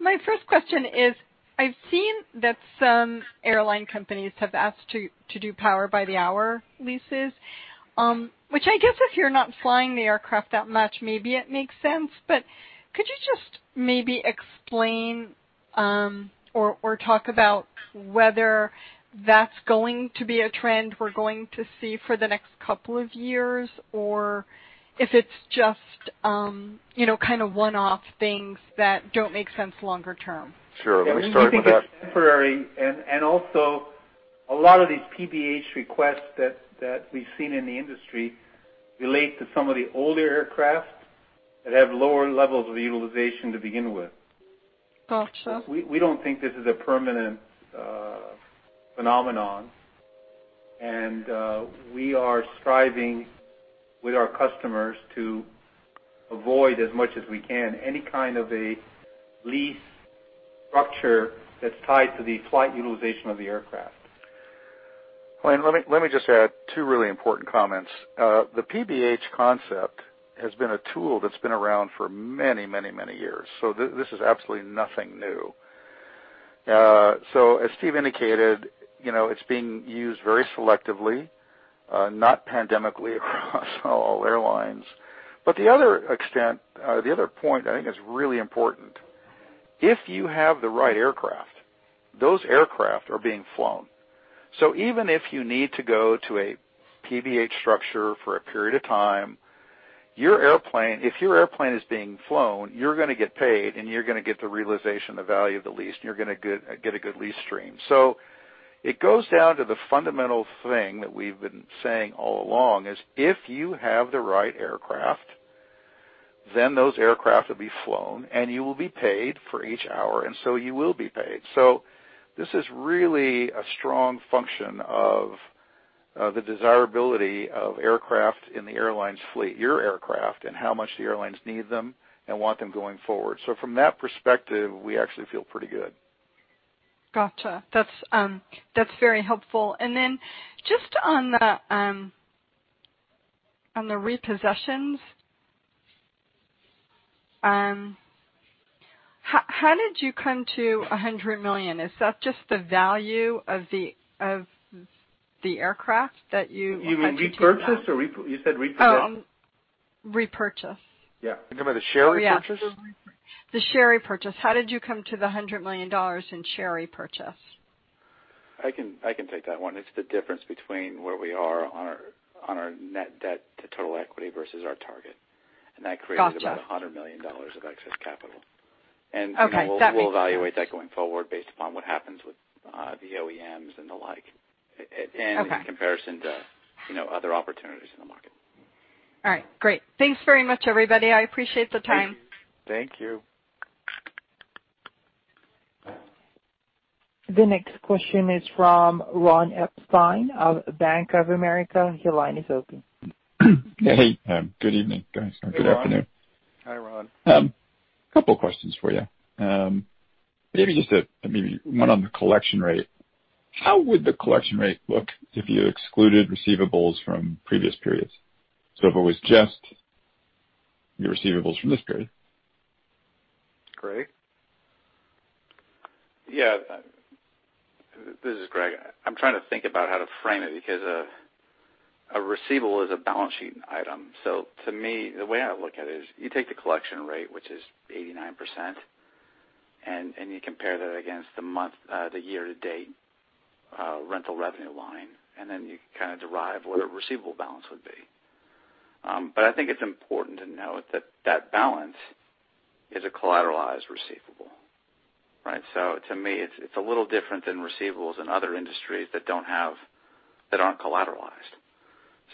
My first question is, I've seen that some airline companies have asked to do power-by-the-hour leases, which I guess if you're not flying the aircraft that much, maybe it makes sense. But could you just maybe explain or talk about whether that's going to be a trend we're going to see for the next couple of years, or if it's just kind of one-off things that don't make sense longer term? Sure. Let me start with that. We think it's temporary. Also, a lot of these PBH requests that we've seen in the industry relate to some of the older aircraft that have lower levels of utilization to begin with. We don't think this is a permanent phenomenon. We are striving with our customers to avoid as much as we can any kind of a lease structure that's tied to the flight utilization of the aircraft. Let me just add two really important comments. The PBH concept has been a tool that's been around for many, many, many years, so this is absolutely nothing new, so as Steve indicated, it's being used very selectively, not pandemically across all airlines, but the other point I think is really important. If you have the right aircraft, those aircraft are being flown, so even if you need to go to a PBH structure for a period of time, if your airplane is being flown, you're going to get paid, and you're going to get the realization of the value of the lease, and you're going to get a good lease stream, so it goes down to the fundamental thing that we've been saying all along is if you have the right aircraft, then those aircraft will be flown, and you will be paid for each hour. And so you will be paid. So this is really a strong function of the desirability of aircraft in the airline's fleet, your aircraft, and how much the airlines need them and want them going forward. So from that perspective, we actually feel pretty good. Gotcha. That's very helpful. And then just on the repossessions, how did you come to $100 million? Is that just the value of the aircraft that you? You mean repurchase or you said repurchase? Repurchase. Yeah. You're talking about the share repurchase? Yeah, the share repurchase. How did you come to the $100 million in share repurchase? I can take that one. It's the difference between where we are on our net debt to total equity versus our target. And that creates about $100 million of excess capital. And we'll evaluate that going forward based upon what happens with the OEMs and the like, and in comparison to other opportunities in the market. All right. Great. Thanks very much, everybody. I appreciate the time. Thank you. The next question is from Ron Epstein of Bank of America. Your line is open. Hey. Good evening. Good afternoon. Hi, Ron. A couple of questions for you. Maybe just one on the collection rate. How would the collection rate look if you excluded receivables from previous periods? So if it was just your receivables from this period. Greg? Yeah. This is Greg. I'm trying to think about how to frame it because a receivable is a balance sheet item. So, to me, the way I look at it is you take the collection rate, which is 89%, and you compare that against the year-to-date rental revenue line, and then you kind of derive what a receivable balance would be. But I think it's important to note that that balance is a collateralized receivable, right? So to me, it's a little different than receivables in other industries that aren't collateralized.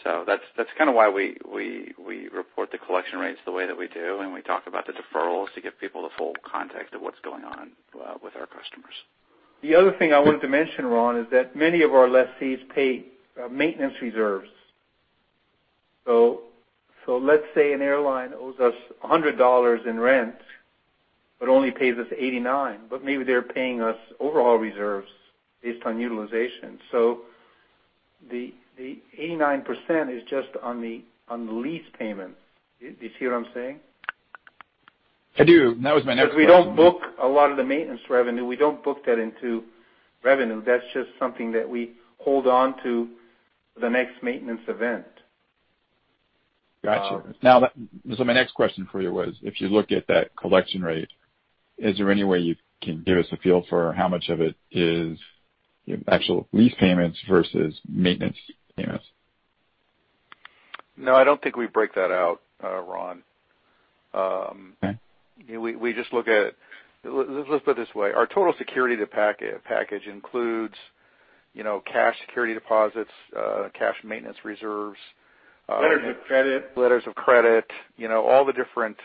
So that's kind of why we report the collection rates the way that we do, and we talk about the deferrals to give people the full context of what's going on with our customers. The other thing I wanted to mention, Ron, is that many of our lessees pay maintenance reserves. So let's say an airline owes us $100 in rent but only pays us $89, but maybe they're paying us overall reserves based on utilization. So the 89% is just on the lease payment. Do you see what I'm saying? I do. That was my next question. If we don't book a lot of the maintenance revenue, we don't book that into revenue. That's just something that we hold on to for the next maintenance event. Gotcha. Now, so my next question for you was, if you look at that collection rate, is there any way you can give us a feel for how much of it is actual lease payments versus maintenance payments? No, I don't think we break that out, Ron. We just look at it. Let's put it this way. Our total security package includes cash security deposits, cash maintenance reserves. Letters of credit. Letters of credit, all the different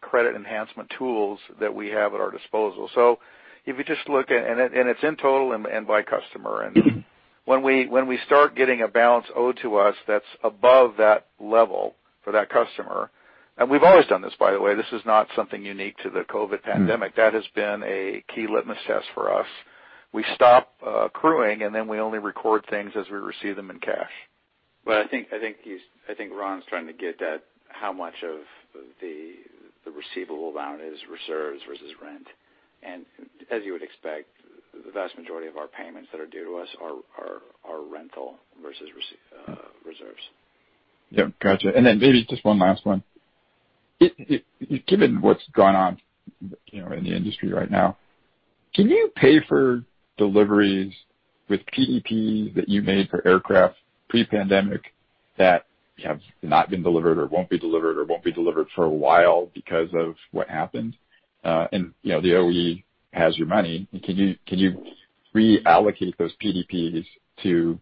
credit enhancement tools that we have at our disposal. So if you just look at, and it's in total and by customer. And when we start getting a balance owed to us that's above that level for that customer, and we've always done this, by the way. This is not something unique to the COVID pandemic. That has been a key litmus test for us. We stop accruing, and then we only record things as we receive them in cash. I think Ron's trying to get at how much of the receivable amount is reserves versus rent. As you would expect, the vast majority of our payments that are due to us are rental versus reserves. Yeah. Gotcha. And then maybe just one last one. Given what's gone on in the industry right now, can you pay for deliveries with PDPs that you made for aircraft pre-pandemic that have not been delivered or won't be delivered for a while because of what happened? And the OEM has your money. Can you reallocate those PDPs to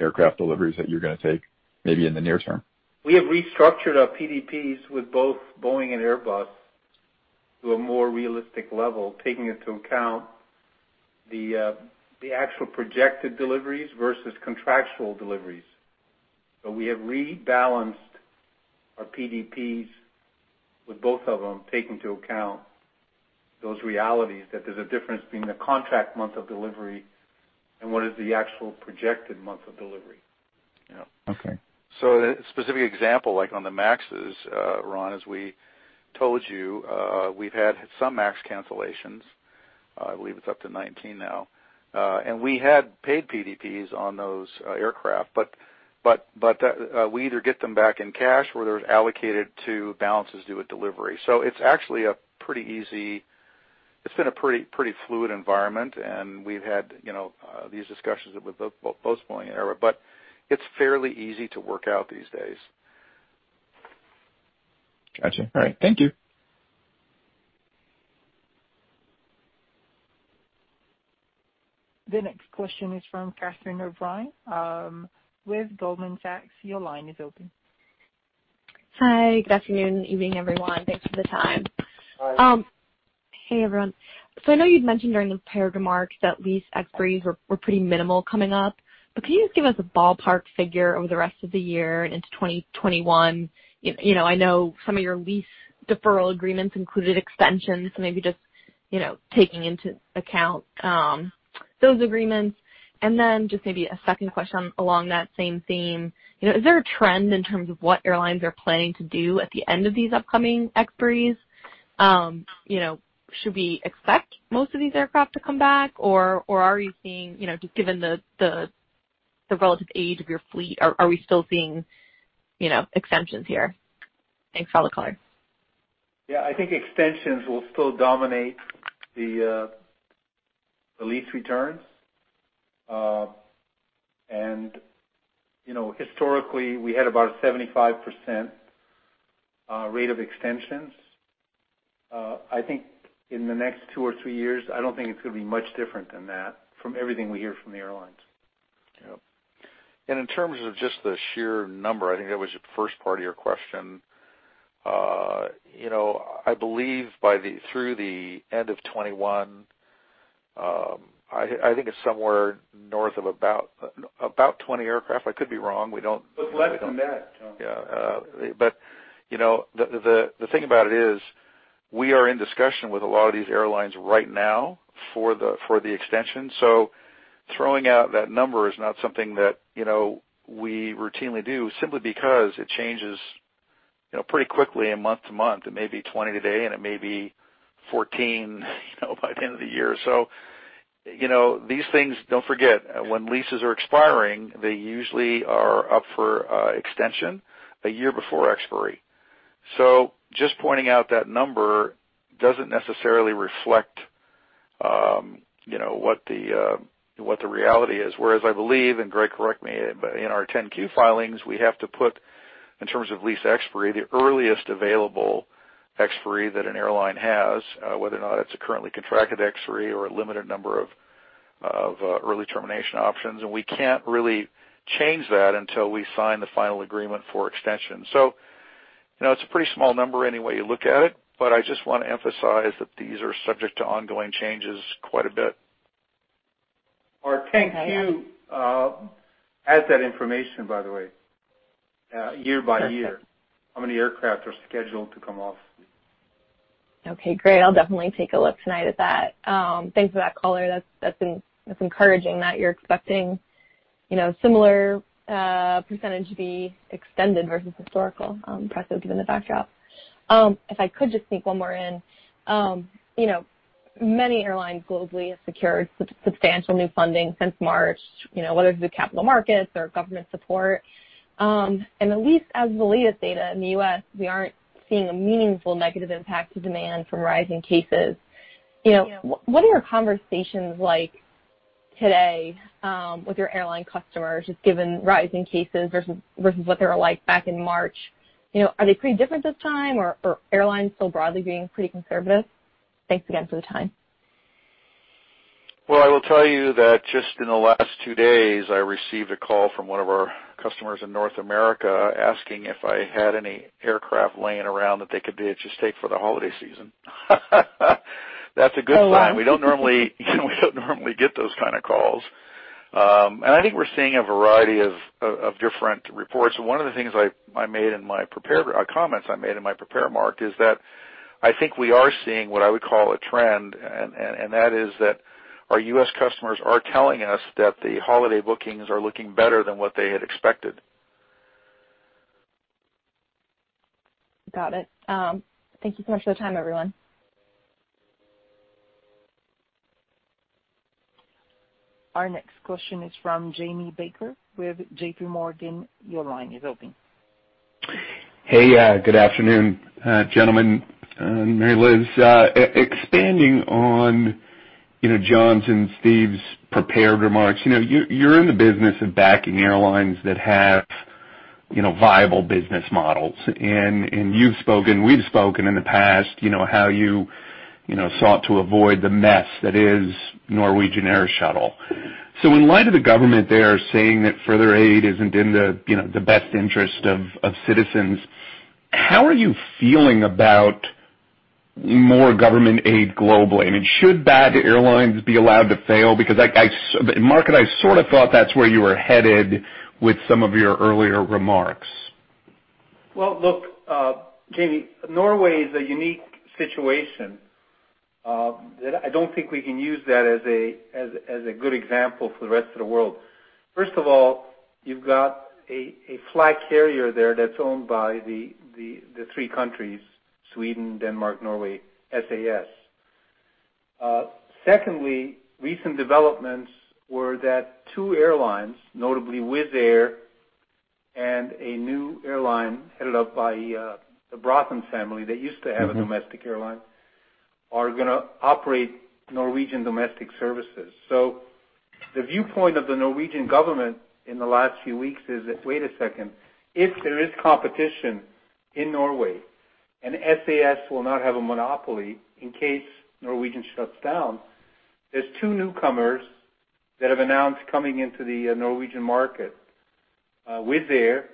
aircraft deliveries that you're going to take maybe in the near term? We have restructured our PDPs with both Boeing and Airbus to a more realistic level, taking into account the actual projected deliveries versus contractual deliveries. So we have rebalanced our PDPs with both of them, taking into account those realities that there's a difference between the contract month of delivery and what is the actual projected month of delivery. Yeah. Okay. So a specific example, like on the MAXes, Ron, as we told you, we've had some MAX cancellations. I believe it's up to 19 now. And we had paid PDPs on those aircraft, but we either get them back in cash or they're allocated to balances due at delivery. So it's actually a pretty easy, it's been a pretty fluid environment, and we've had these discussions with both Boeing and Airbus, but it's fairly easy to work out these days. Gotcha. All right. Thank you. The next question is from Catherine O'Brien. With Goldman Sachs, your line is open. Hi. Good afternoon and evening, everyone. Thanks for the time. Hi. Hey, everyone. So I know you'd mentioned during the prior remarks that lease expiries were pretty minimal coming up, but can you just give us a ballpark figure over the rest of the year and into 2021? I know some of your lease deferral agreements included extensions, so maybe just taking into account those agreements. And then just maybe a second question along that same theme. Is there a trend in terms of what airlines are planning to do at the end of these upcoming expiries? Should we expect most of these aircraft to come back, or are you seeing, just given the relative age of your fleet, are we still seeing extensions here? Thanks for the color. Yeah. I think extensions will still dominate the lease returns, and historically, we had about a 75% rate of extensions. I think in the next two or three years, I don't think it's going to be much different than that from everything we hear from the airlines. Yeah. And in terms of just the sheer number, I think that was your first part of your question. I believe through the end of 2021, I think it's somewhere north of about 20 aircraft. I could be wrong. We don't. But less than that. Yeah. But the thing about it is we are in discussion with a lot of these airlines right now for the extension. So throwing out that number is not something that we routinely do simply because it changes pretty quickly month to month. It may be 20 today, and it may be 14 by the end of the year. So these things. Don't forget, when leases are expiring, they usually are up for extension a year before expiry. So just pointing out that number doesn't necessarily reflect what the reality is. Whereas I believe, and Greg, correct me, in our 10-Q filings, we have to put, in terms of lease expiry, the earliest available expiry that an airline has, whether or not it's a currently contracted expiry or a limited number of early termination options. And we can't really change that until we sign the final agreement for extension. So it's a pretty small number any way you look at it, but I just want to emphasize that these are subject to ongoing changes quite a bit. Or 10-Q adds that information, by the way, year-by-year, how many aircraft are scheduled to come off. Okay. Great. I'll definitely take a look tonight at that. Thanks for that color. That's encouraging that you're expecting a similar percentage to be extended versus historical precedents given the backdrop. If I could just sneak one more in, many airlines globally have secured substantial new funding since March, whether through capital markets or government support. And at least as the latest data in the U.S., we aren't seeing a meaningful negative impact to demand from rising cases. What are your conversations like today with your airline customers, just given rising cases versus what they were like back in March? Are they pretty different this time, or are airlines still broadly being pretty conservative? Thanks again for the time. I will tell you that just in the last two days, I received a call from one of our customers in North America asking if I had any aircraft laying around that they could just take for the holiday season. That's a good sign. We don't normally get those kind of calls. And I think we're seeing a variety of different reports. One of the things I made in my comments in my prepared remarks is that I think we are seeing what I would call a trend, and that is that our U.S. customers are telling us that the holiday bookings are looking better than what they had expected. Got it. Thank you so much for the time, everyone. Our next question is from Jamie Baker with JPMorgan. Your line is open. Hey. Good afternoon, gentlemen and Mary Liz. Expanding on John's and Steve's prepared remarks, you're in the business of backing airlines that have viable business models. And we've spoken in the past how you sought to avoid the mess that is Norwegian Air Shuttle. So in light of the government there saying that further aid isn't in the best interest of citizens, how are you feeling about more government aid globally? I mean, should bad airlines be allowed to fail? Because Mark, I sort of thought that's where you were headed with some of your earlier remarks. Look, Jamie, Norway is a unique situation. I don't think we can use that as a good example for the rest of the world. First of all, you've got a flag carrier there that's owned by the three countries, Sweden, Denmark, Norway, SAS. Secondly, recent developments were that two airlines, notably Wizz Air and a new airline headed up by the Braathens family that used to have a domestic airline, are going to operate Norwegian domestic services. So the viewpoint of the Norwegian government in the last few weeks is that, wait a second, if there is competition in Norway, and SAS will not have a monopoly in case Norwegian shuts down, there's two newcomers that have announced coming into the Norwegian market, Wizz Air,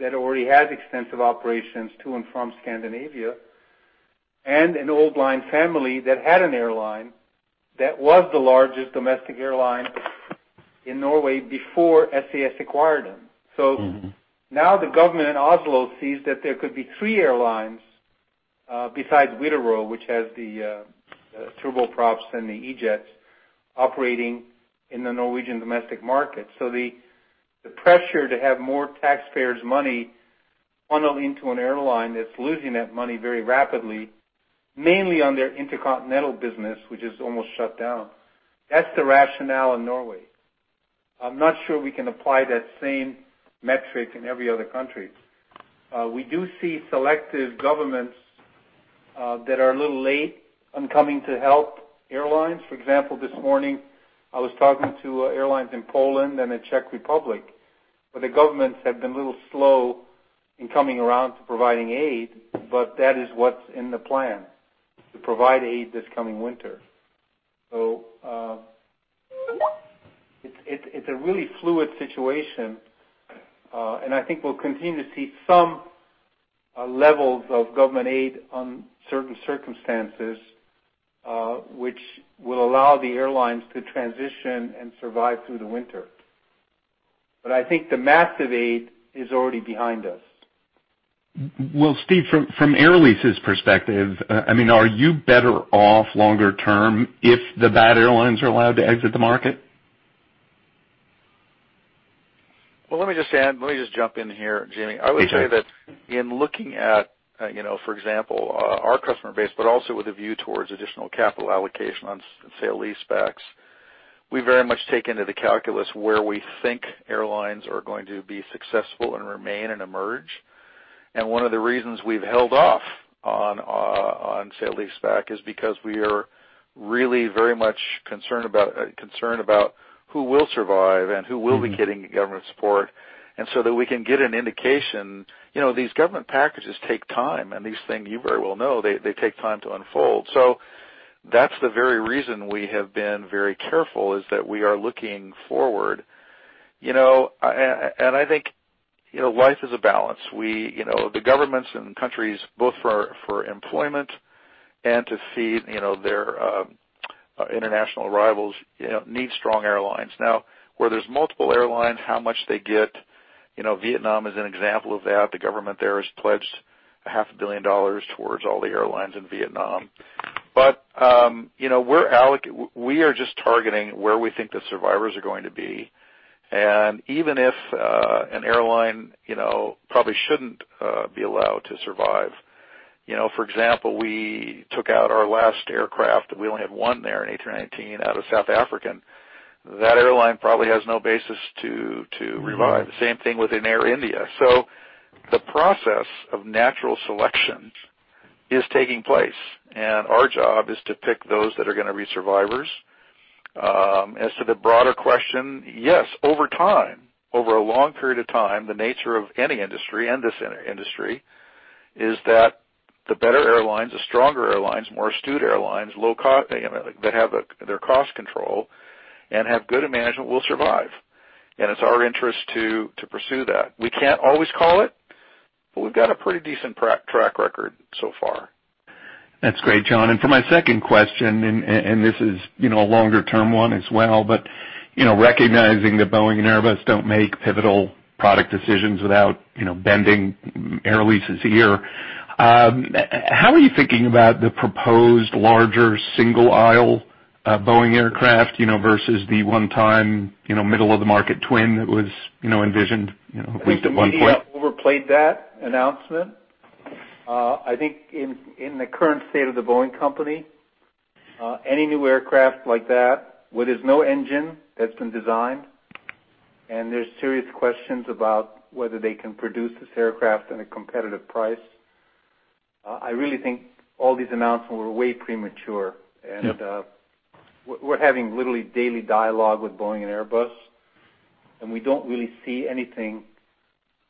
that already has extensive operations to and from Scandinavia, and an old line family that had an airline that was the largest domestic airline in Norway before SAS acquired them. So now the government in Oslo sees that there could be three airlines besides Widerøe, which has the turboprops and the E-Jets operating in the Norwegian domestic market. So the pressure to have more taxpayers' money funnel into an airline that's losing that money very rapidly, mainly on their intercontinental business, which is almost shut down, that's the rationale in Norway. I'm not sure we can apply that same metric in every other country. We do see selective governments that are a little late in coming to help airlines. For example, this morning, I was talking to airlines in Poland and the Czech Republic, where the governments have been a little slow in coming around to providing aid, but that is what's in the plan to provide aid this coming winter. So it's a really fluid situation, and I think we'll continue to see some levels of government aid on certain circumstances, which will allow the airlines to transition and survive through the winter. But I think the massive aid is already behind us. Steve, from Air Lease's perspective, I mean, are you better off longer term if the bad airlines are allowed to exit the market? Let me just add, let me just jump in here, Jamie. I would say that in looking at, for example, our customer base, but also with a view towards additional capital allocation on sale-leaseback specs, we very much take into the calculus where we think airlines are going to be successful and remain and emerge, and one of the reasons we've held off on sale-leaseback spec is because we are really very much concerned about who will survive and who will be getting government support, and so that we can get an indication. These government packages take time, and these things, you very well know, they take time to unfold, so that's the very reason we have been very careful, is that we are looking forward, and I think it is a balance. The governments and countries, both for employment and to fend off their international rivals, need strong airlines. Now, where there's multiple airlines, how much they get? Vietnam is an example of that. The government there has pledged $500 million towards all the airlines in Vietnam. But we are just targeting where we think the survivors are going to be. And even if an airline probably shouldn't be allowed to survive, for example, we took out our last aircraft, that we only had one there, an A319 out of South African. That airline probably has no basis to revive. Same thing with Air India. So the process of natural selection is taking place, and our job is to pick those that are going to be survivors. As to the broader question, yes, over time, over a long period of time, the nature of any industry, and this industry, is that the better airlines, the stronger airlines, more astute airlines, that have their cost control and have good management will survive. And it's our interest to pursue that. We can't always call it, but we've got a pretty decent track record so far. That's great, John, and for my second question, and this is a longer-term one as well, but recognizing that Boeing and Airbus don't make pivotal product decisions without bending Air Lease's ear, how are you thinking about the proposed larger single-aisle Boeing aircraft versus the one-time middle-of-the-market twin that was envisioned at least at one point? I think India overplayed that announcement. I think in the current state of the Boeing company, any new aircraft like that, where there's no engine that's been designed, and there's serious questions about whether they can produce this aircraft at a competitive price, I really think all these announcements were way premature, and we're having literally daily dialogue with Boeing and Airbus, and we don't really see anything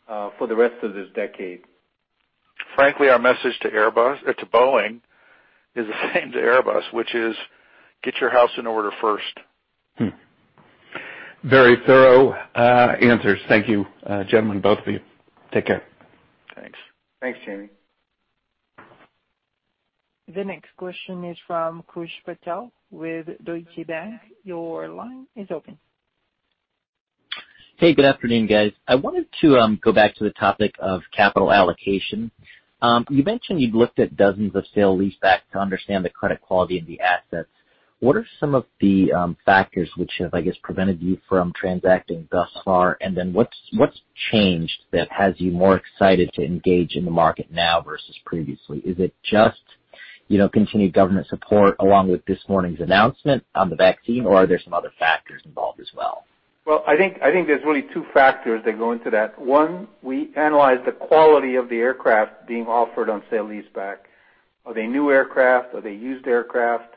for the rest of this decade. Frankly, our message to Boeing is the same to Airbus, which is, "Get your house in order first. Very thorough answers. Thank you, gentlemen, both of you. Take care. Thanks. Thanks, Jamie. The next question is from Koosh Patel with Deutsche Bank. Your line is open. Hey, good afternoon, guys. I wanted to go back to the topic of capital allocation. You mentioned you'd looked at dozens of sale-leaseback specs to understand the credit quality of the assets. What are some of the factors which have, I guess, prevented you from transacting thus far? And then what's changed that has you more excited to engage in the market now versus previously? Is it just continued government support along with this morning's announcement on the vaccine, or are there some other factors involved as well? I think there's really two factors that go into that. One, we analyze the quality of the aircraft being offered on sale-leaseback. Are they new aircraft? Are they used aircraft?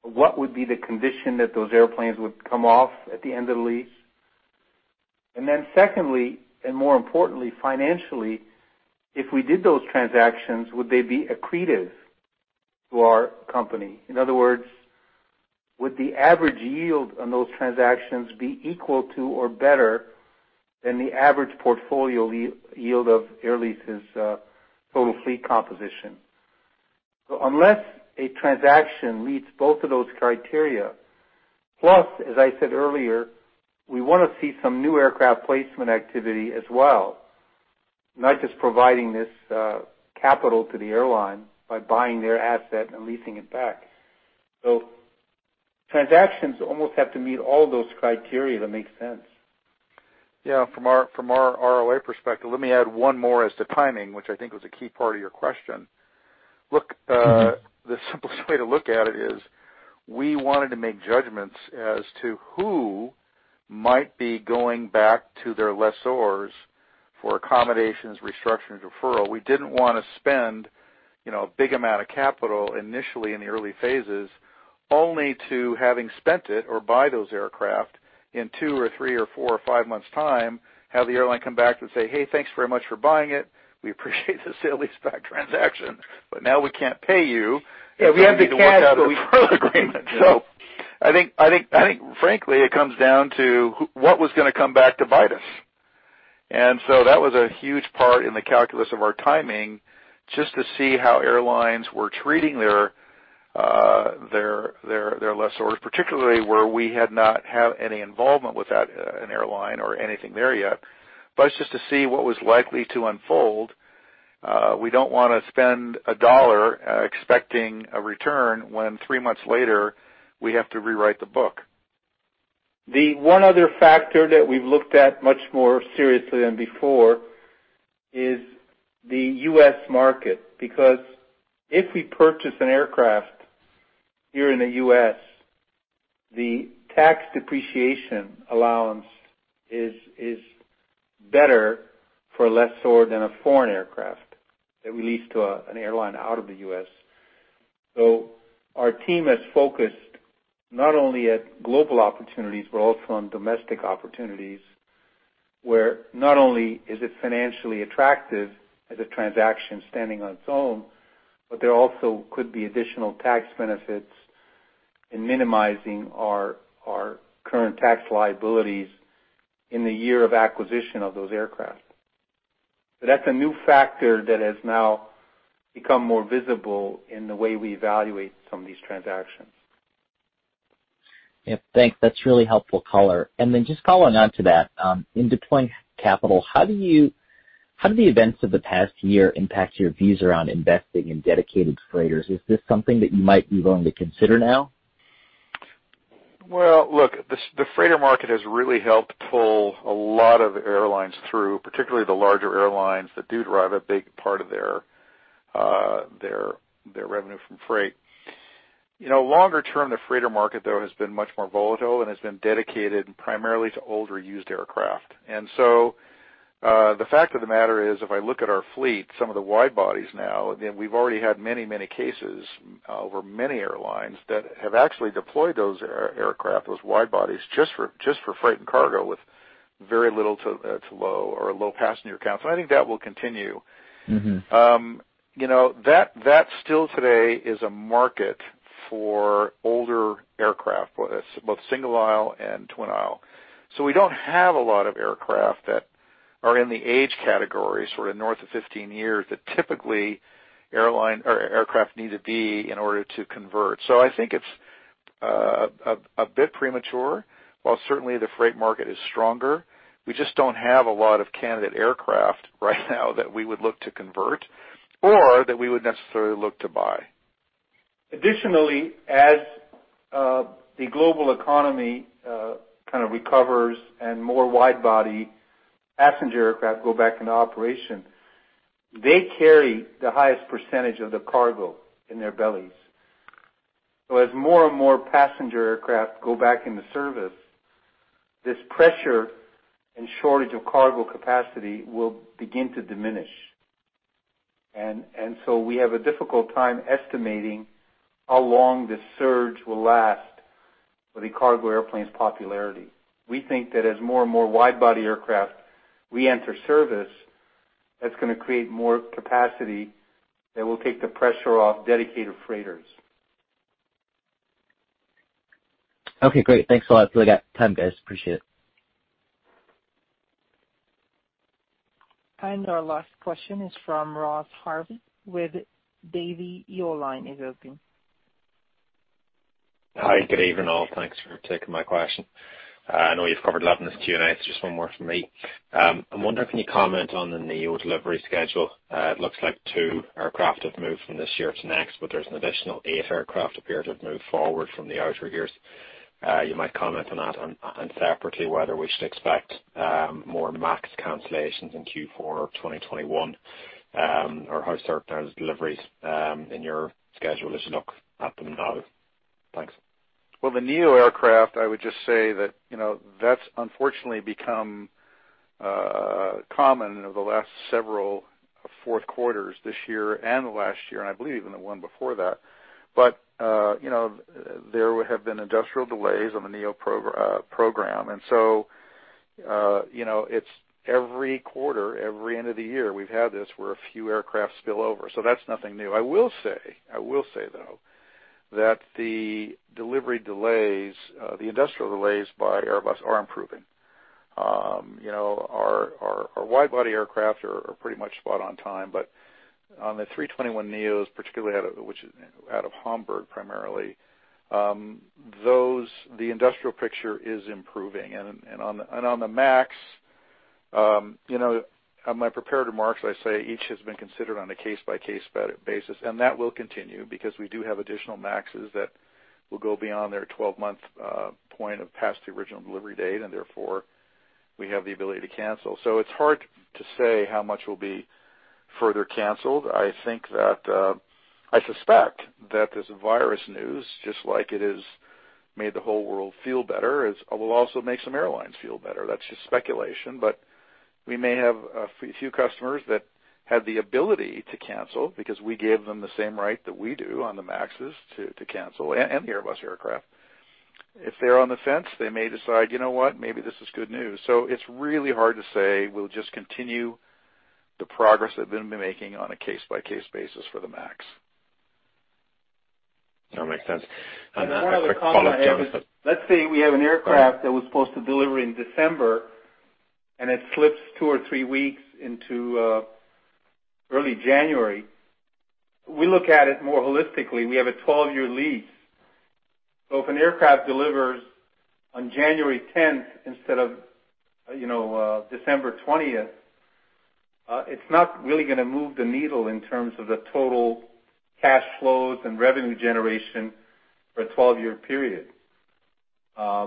What would be the condition that those airplanes would come off at the end of the lease? And then secondly, and more importantly, financially, if we did those transactions, would they be accretive to our company? In other words, would the average yield on those transactions be equal to or better than the average portfolio yield of Air Lease's total fleet composition? Unless a transaction meets both of those criteria, plus, as I said earlier, we want to see some new aircraft placement activity as well, not just providing this capital to the airline by buying their asset and leasing it back. Transactions almost have to meet all those criteria that make sense. Yeah. From our ROA perspective, let me add one more as to timing, which I think was a key part of your question. Look, the simplest way to look at it is we wanted to make judgments as to who might be going back to their lessors for accommodations, restructuring, referral. We didn't want to spend a big amount of capital initially in the early phases only to, having spent it or bought those aircraft in two or three or four or five months' time, have the airline come back and say, "Hey, thanks very much for buying it. We appreciate the sale-leaseback transaction, but now we can't pay you. Yeah. We had the cash flow agreement. So I think, frankly, it comes down to what was going to come back to bite us. And so that was a huge part in the calculus of our timing just to see how airlines were treating their lessors, particularly where we had not had any involvement with that, an airline or anything there yet, but just to see what was likely to unfold. We don't want to spend a dollar expecting a return when three months later we have to rewrite the book. The one other factor that we've looked at much more seriously than before is the U.S. market. Because if we purchase an aircraft here in the U.S., the tax depreciation allowance is better for a lessor than a foreign aircraft that we lease to an airline out of the U.S. So our team has focused not only at global opportunities but also on domestic opportunities where not only is it financially attractive as a transaction standing on its own, but there also could be additional tax benefits in minimizing our current tax liabilities in the year of acquisition of those aircraft. So that's a new factor that has now become more visible in the way we evaluate some of these transactions. Yep. Thanks. That's really helpful color. And then just following on to that, in deploying capital, how do the events of the past year impact your views around investing in dedicated freighters? Is this something that you might be willing to consider now? Look, the freighter market has really helped pull a lot of airlines through, particularly the larger airlines that do derive a big part of their revenue from freight. Longer term, the freighter market, though, has been much more volatile and has been dedicated primarily to older used aircraft. So the fact of the matter is, if I look at our fleet, some of the wide bodies now, we've already had many, many cases over many airlines that have actually deployed those aircraft, those wide bodies just for freight and cargo with very little to low or low passenger counts. I think that will continue. That still today is a market for older aircraft, both single aisle and twin aisle. So we don't have a lot of aircraft that are in the age category, sort of north of 15 years, that typically aircraft need to be in order to convert. So I think it's a bit premature. While certainly the freight market is stronger, we just don't have a lot of candidate aircraft right now that we would look to convert or that we would necessarily look to buy. Additionally, as the global economy kind of recovers and more widebody passenger aircraft go back into operation, they carry the highest percentage of the cargo in their bellies. So as more and more passenger aircraft go back into service, this pressure and shortage of cargo capacity will begin to diminish. And so we have a difficult time estimating how long this surge will last for the cargo airplane's popularity. We think that as more and more widebody aircraft re-enter service, that's going to create more capacity that will take the pressure off dedicated freighters. Okay. Great. Thanks a lot. I feel like I got time, guys. Appreciate it. Our last question is from Ross Harvey with Davy. Your line is open. Hi. Good evening all. Thanks for taking my question. I know you've covered a lot in this Q&A. It's just one more from me. I'm wondering, can you comment on the new delivery schedule? It looks like two aircraft have moved from this year to next, but there's an additional eight aircraft appear to have moved forward from the outer years. You might comment on that and separately whether we should expect more MAX cancellations in Q4 of 2021 or how certain are the deliveries in your schedule as you look at them now? Thanks. The new aircraft, I would just say that that's unfortunately become common over the last several fourth quarters this year and last year, and I believe even the one before that. But there have been industrial delays on the NEO program. And so it's every quarter, every end of the year, we've had this where a few aircraft spill over. So that's nothing new. I will say, I will say though, that the delivery delays, the industrial delays by Airbus are improving. Our widebody aircraft are pretty much spot on time. But on the 321neos, particularly out of Hamburg primarily, the industrial picture is improving. And on the MAX, in my prepared remarks, I say each has been considered on a case-by-case basis. That will continue because we do have additional MAXes that will go beyond their 12-month point past the original delivery date, and therefore we have the ability to cancel. So it's hard to say how much will be further canceled. I think that I suspect that this virus news, just like it has made the whole world feel better, will also make some airlines feel better. That's just speculation. But we may have a few customers that had the ability to cancel because we gave them the same right that we do on the MAXes to cancel any Airbus aircraft. If they're on the fence, they may decide, "You know what? Maybe this is good news." So it's really hard to say. We'll just continue the progress that we've been making on a case-by-case basis for the MAX. That makes sense, and just a quick follow-up, John. Let's say we have an aircraft that was supposed to deliver in December, and it slips two or three weeks into early January. We look at it more holistically. We have a 12-year lease. So if an aircraft delivers on January 10th instead of December 20th, it's not really going to move the needle in terms of the total cash flows and revenue generation for a 12-year period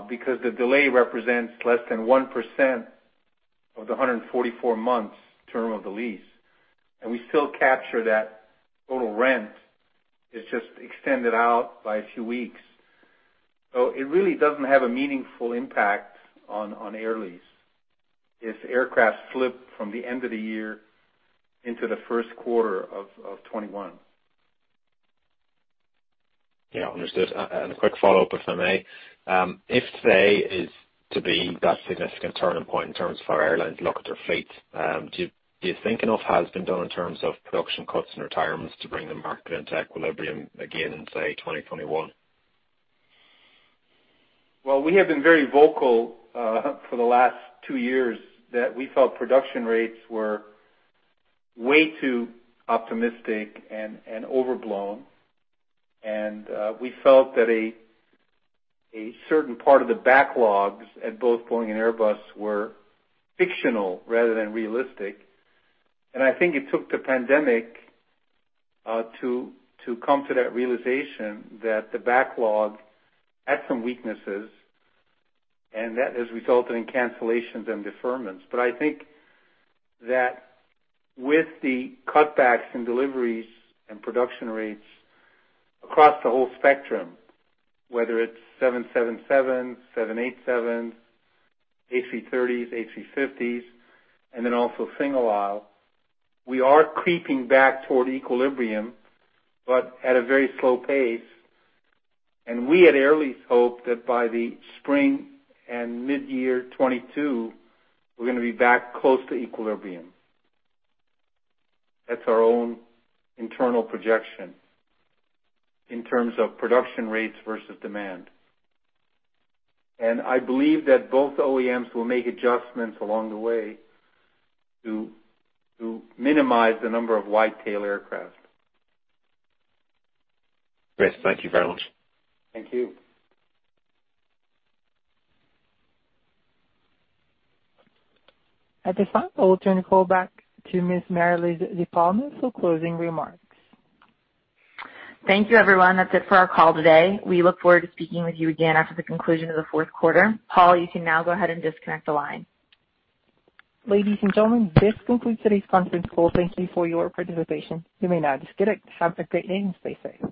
because the delay represents less than 1% of the 144 months term of the lease. And we still capture that total rent. It's just extended out by a few weeks. So it really doesn't have a meaningful impact on Air Lease if aircraft flip from the end of the year into the first quarter of 2021. Yeah. Understood. And a quick follow-up, if I may. If today is to be that significant turning point in terms of how airlines look at their fleet, do you think enough has been done in terms of production cuts and retirements to bring the market into equilibrium again in, say, 2021? Well, we have been very vocal for the last two years that we felt production rates were way too optimistic and overblown. And we felt that a certain part of the backlogs at both Boeing and Airbus were fictional rather than realistic. And I think it took the pandemic to come to that realization that the backlog had some weaknesses, and that has resulted in cancellations and deferments. But I think that with the cutbacks in deliveries and production rates across the whole spectrum, whether it's 777s, 787s, A330s, A350s, and then also single aisle, we are creeping back toward equilibrium, but at a very slow pace. And we at Air Lease hope that by the spring and mid-year 2022, we're going to be back close to equilibrium. That's our own internal projection in terms of production rates versus demand. I believe that both OEMs will make adjustments along the way to minimize the number of widebody aircraft. Great. Thank you very much. Thank you. At this point, we'll turn the call back to Ms. Mary Liz DePalma for closing remarks. Thank you, everyone. That's it for our call today. We look forward to speaking with you again after the conclusion of the fourth quarter. Paul, you can now go ahead and disconnect the line. Ladies and gentlemen, this concludes today's conference call. Thank you for your participation. You may now disconnect.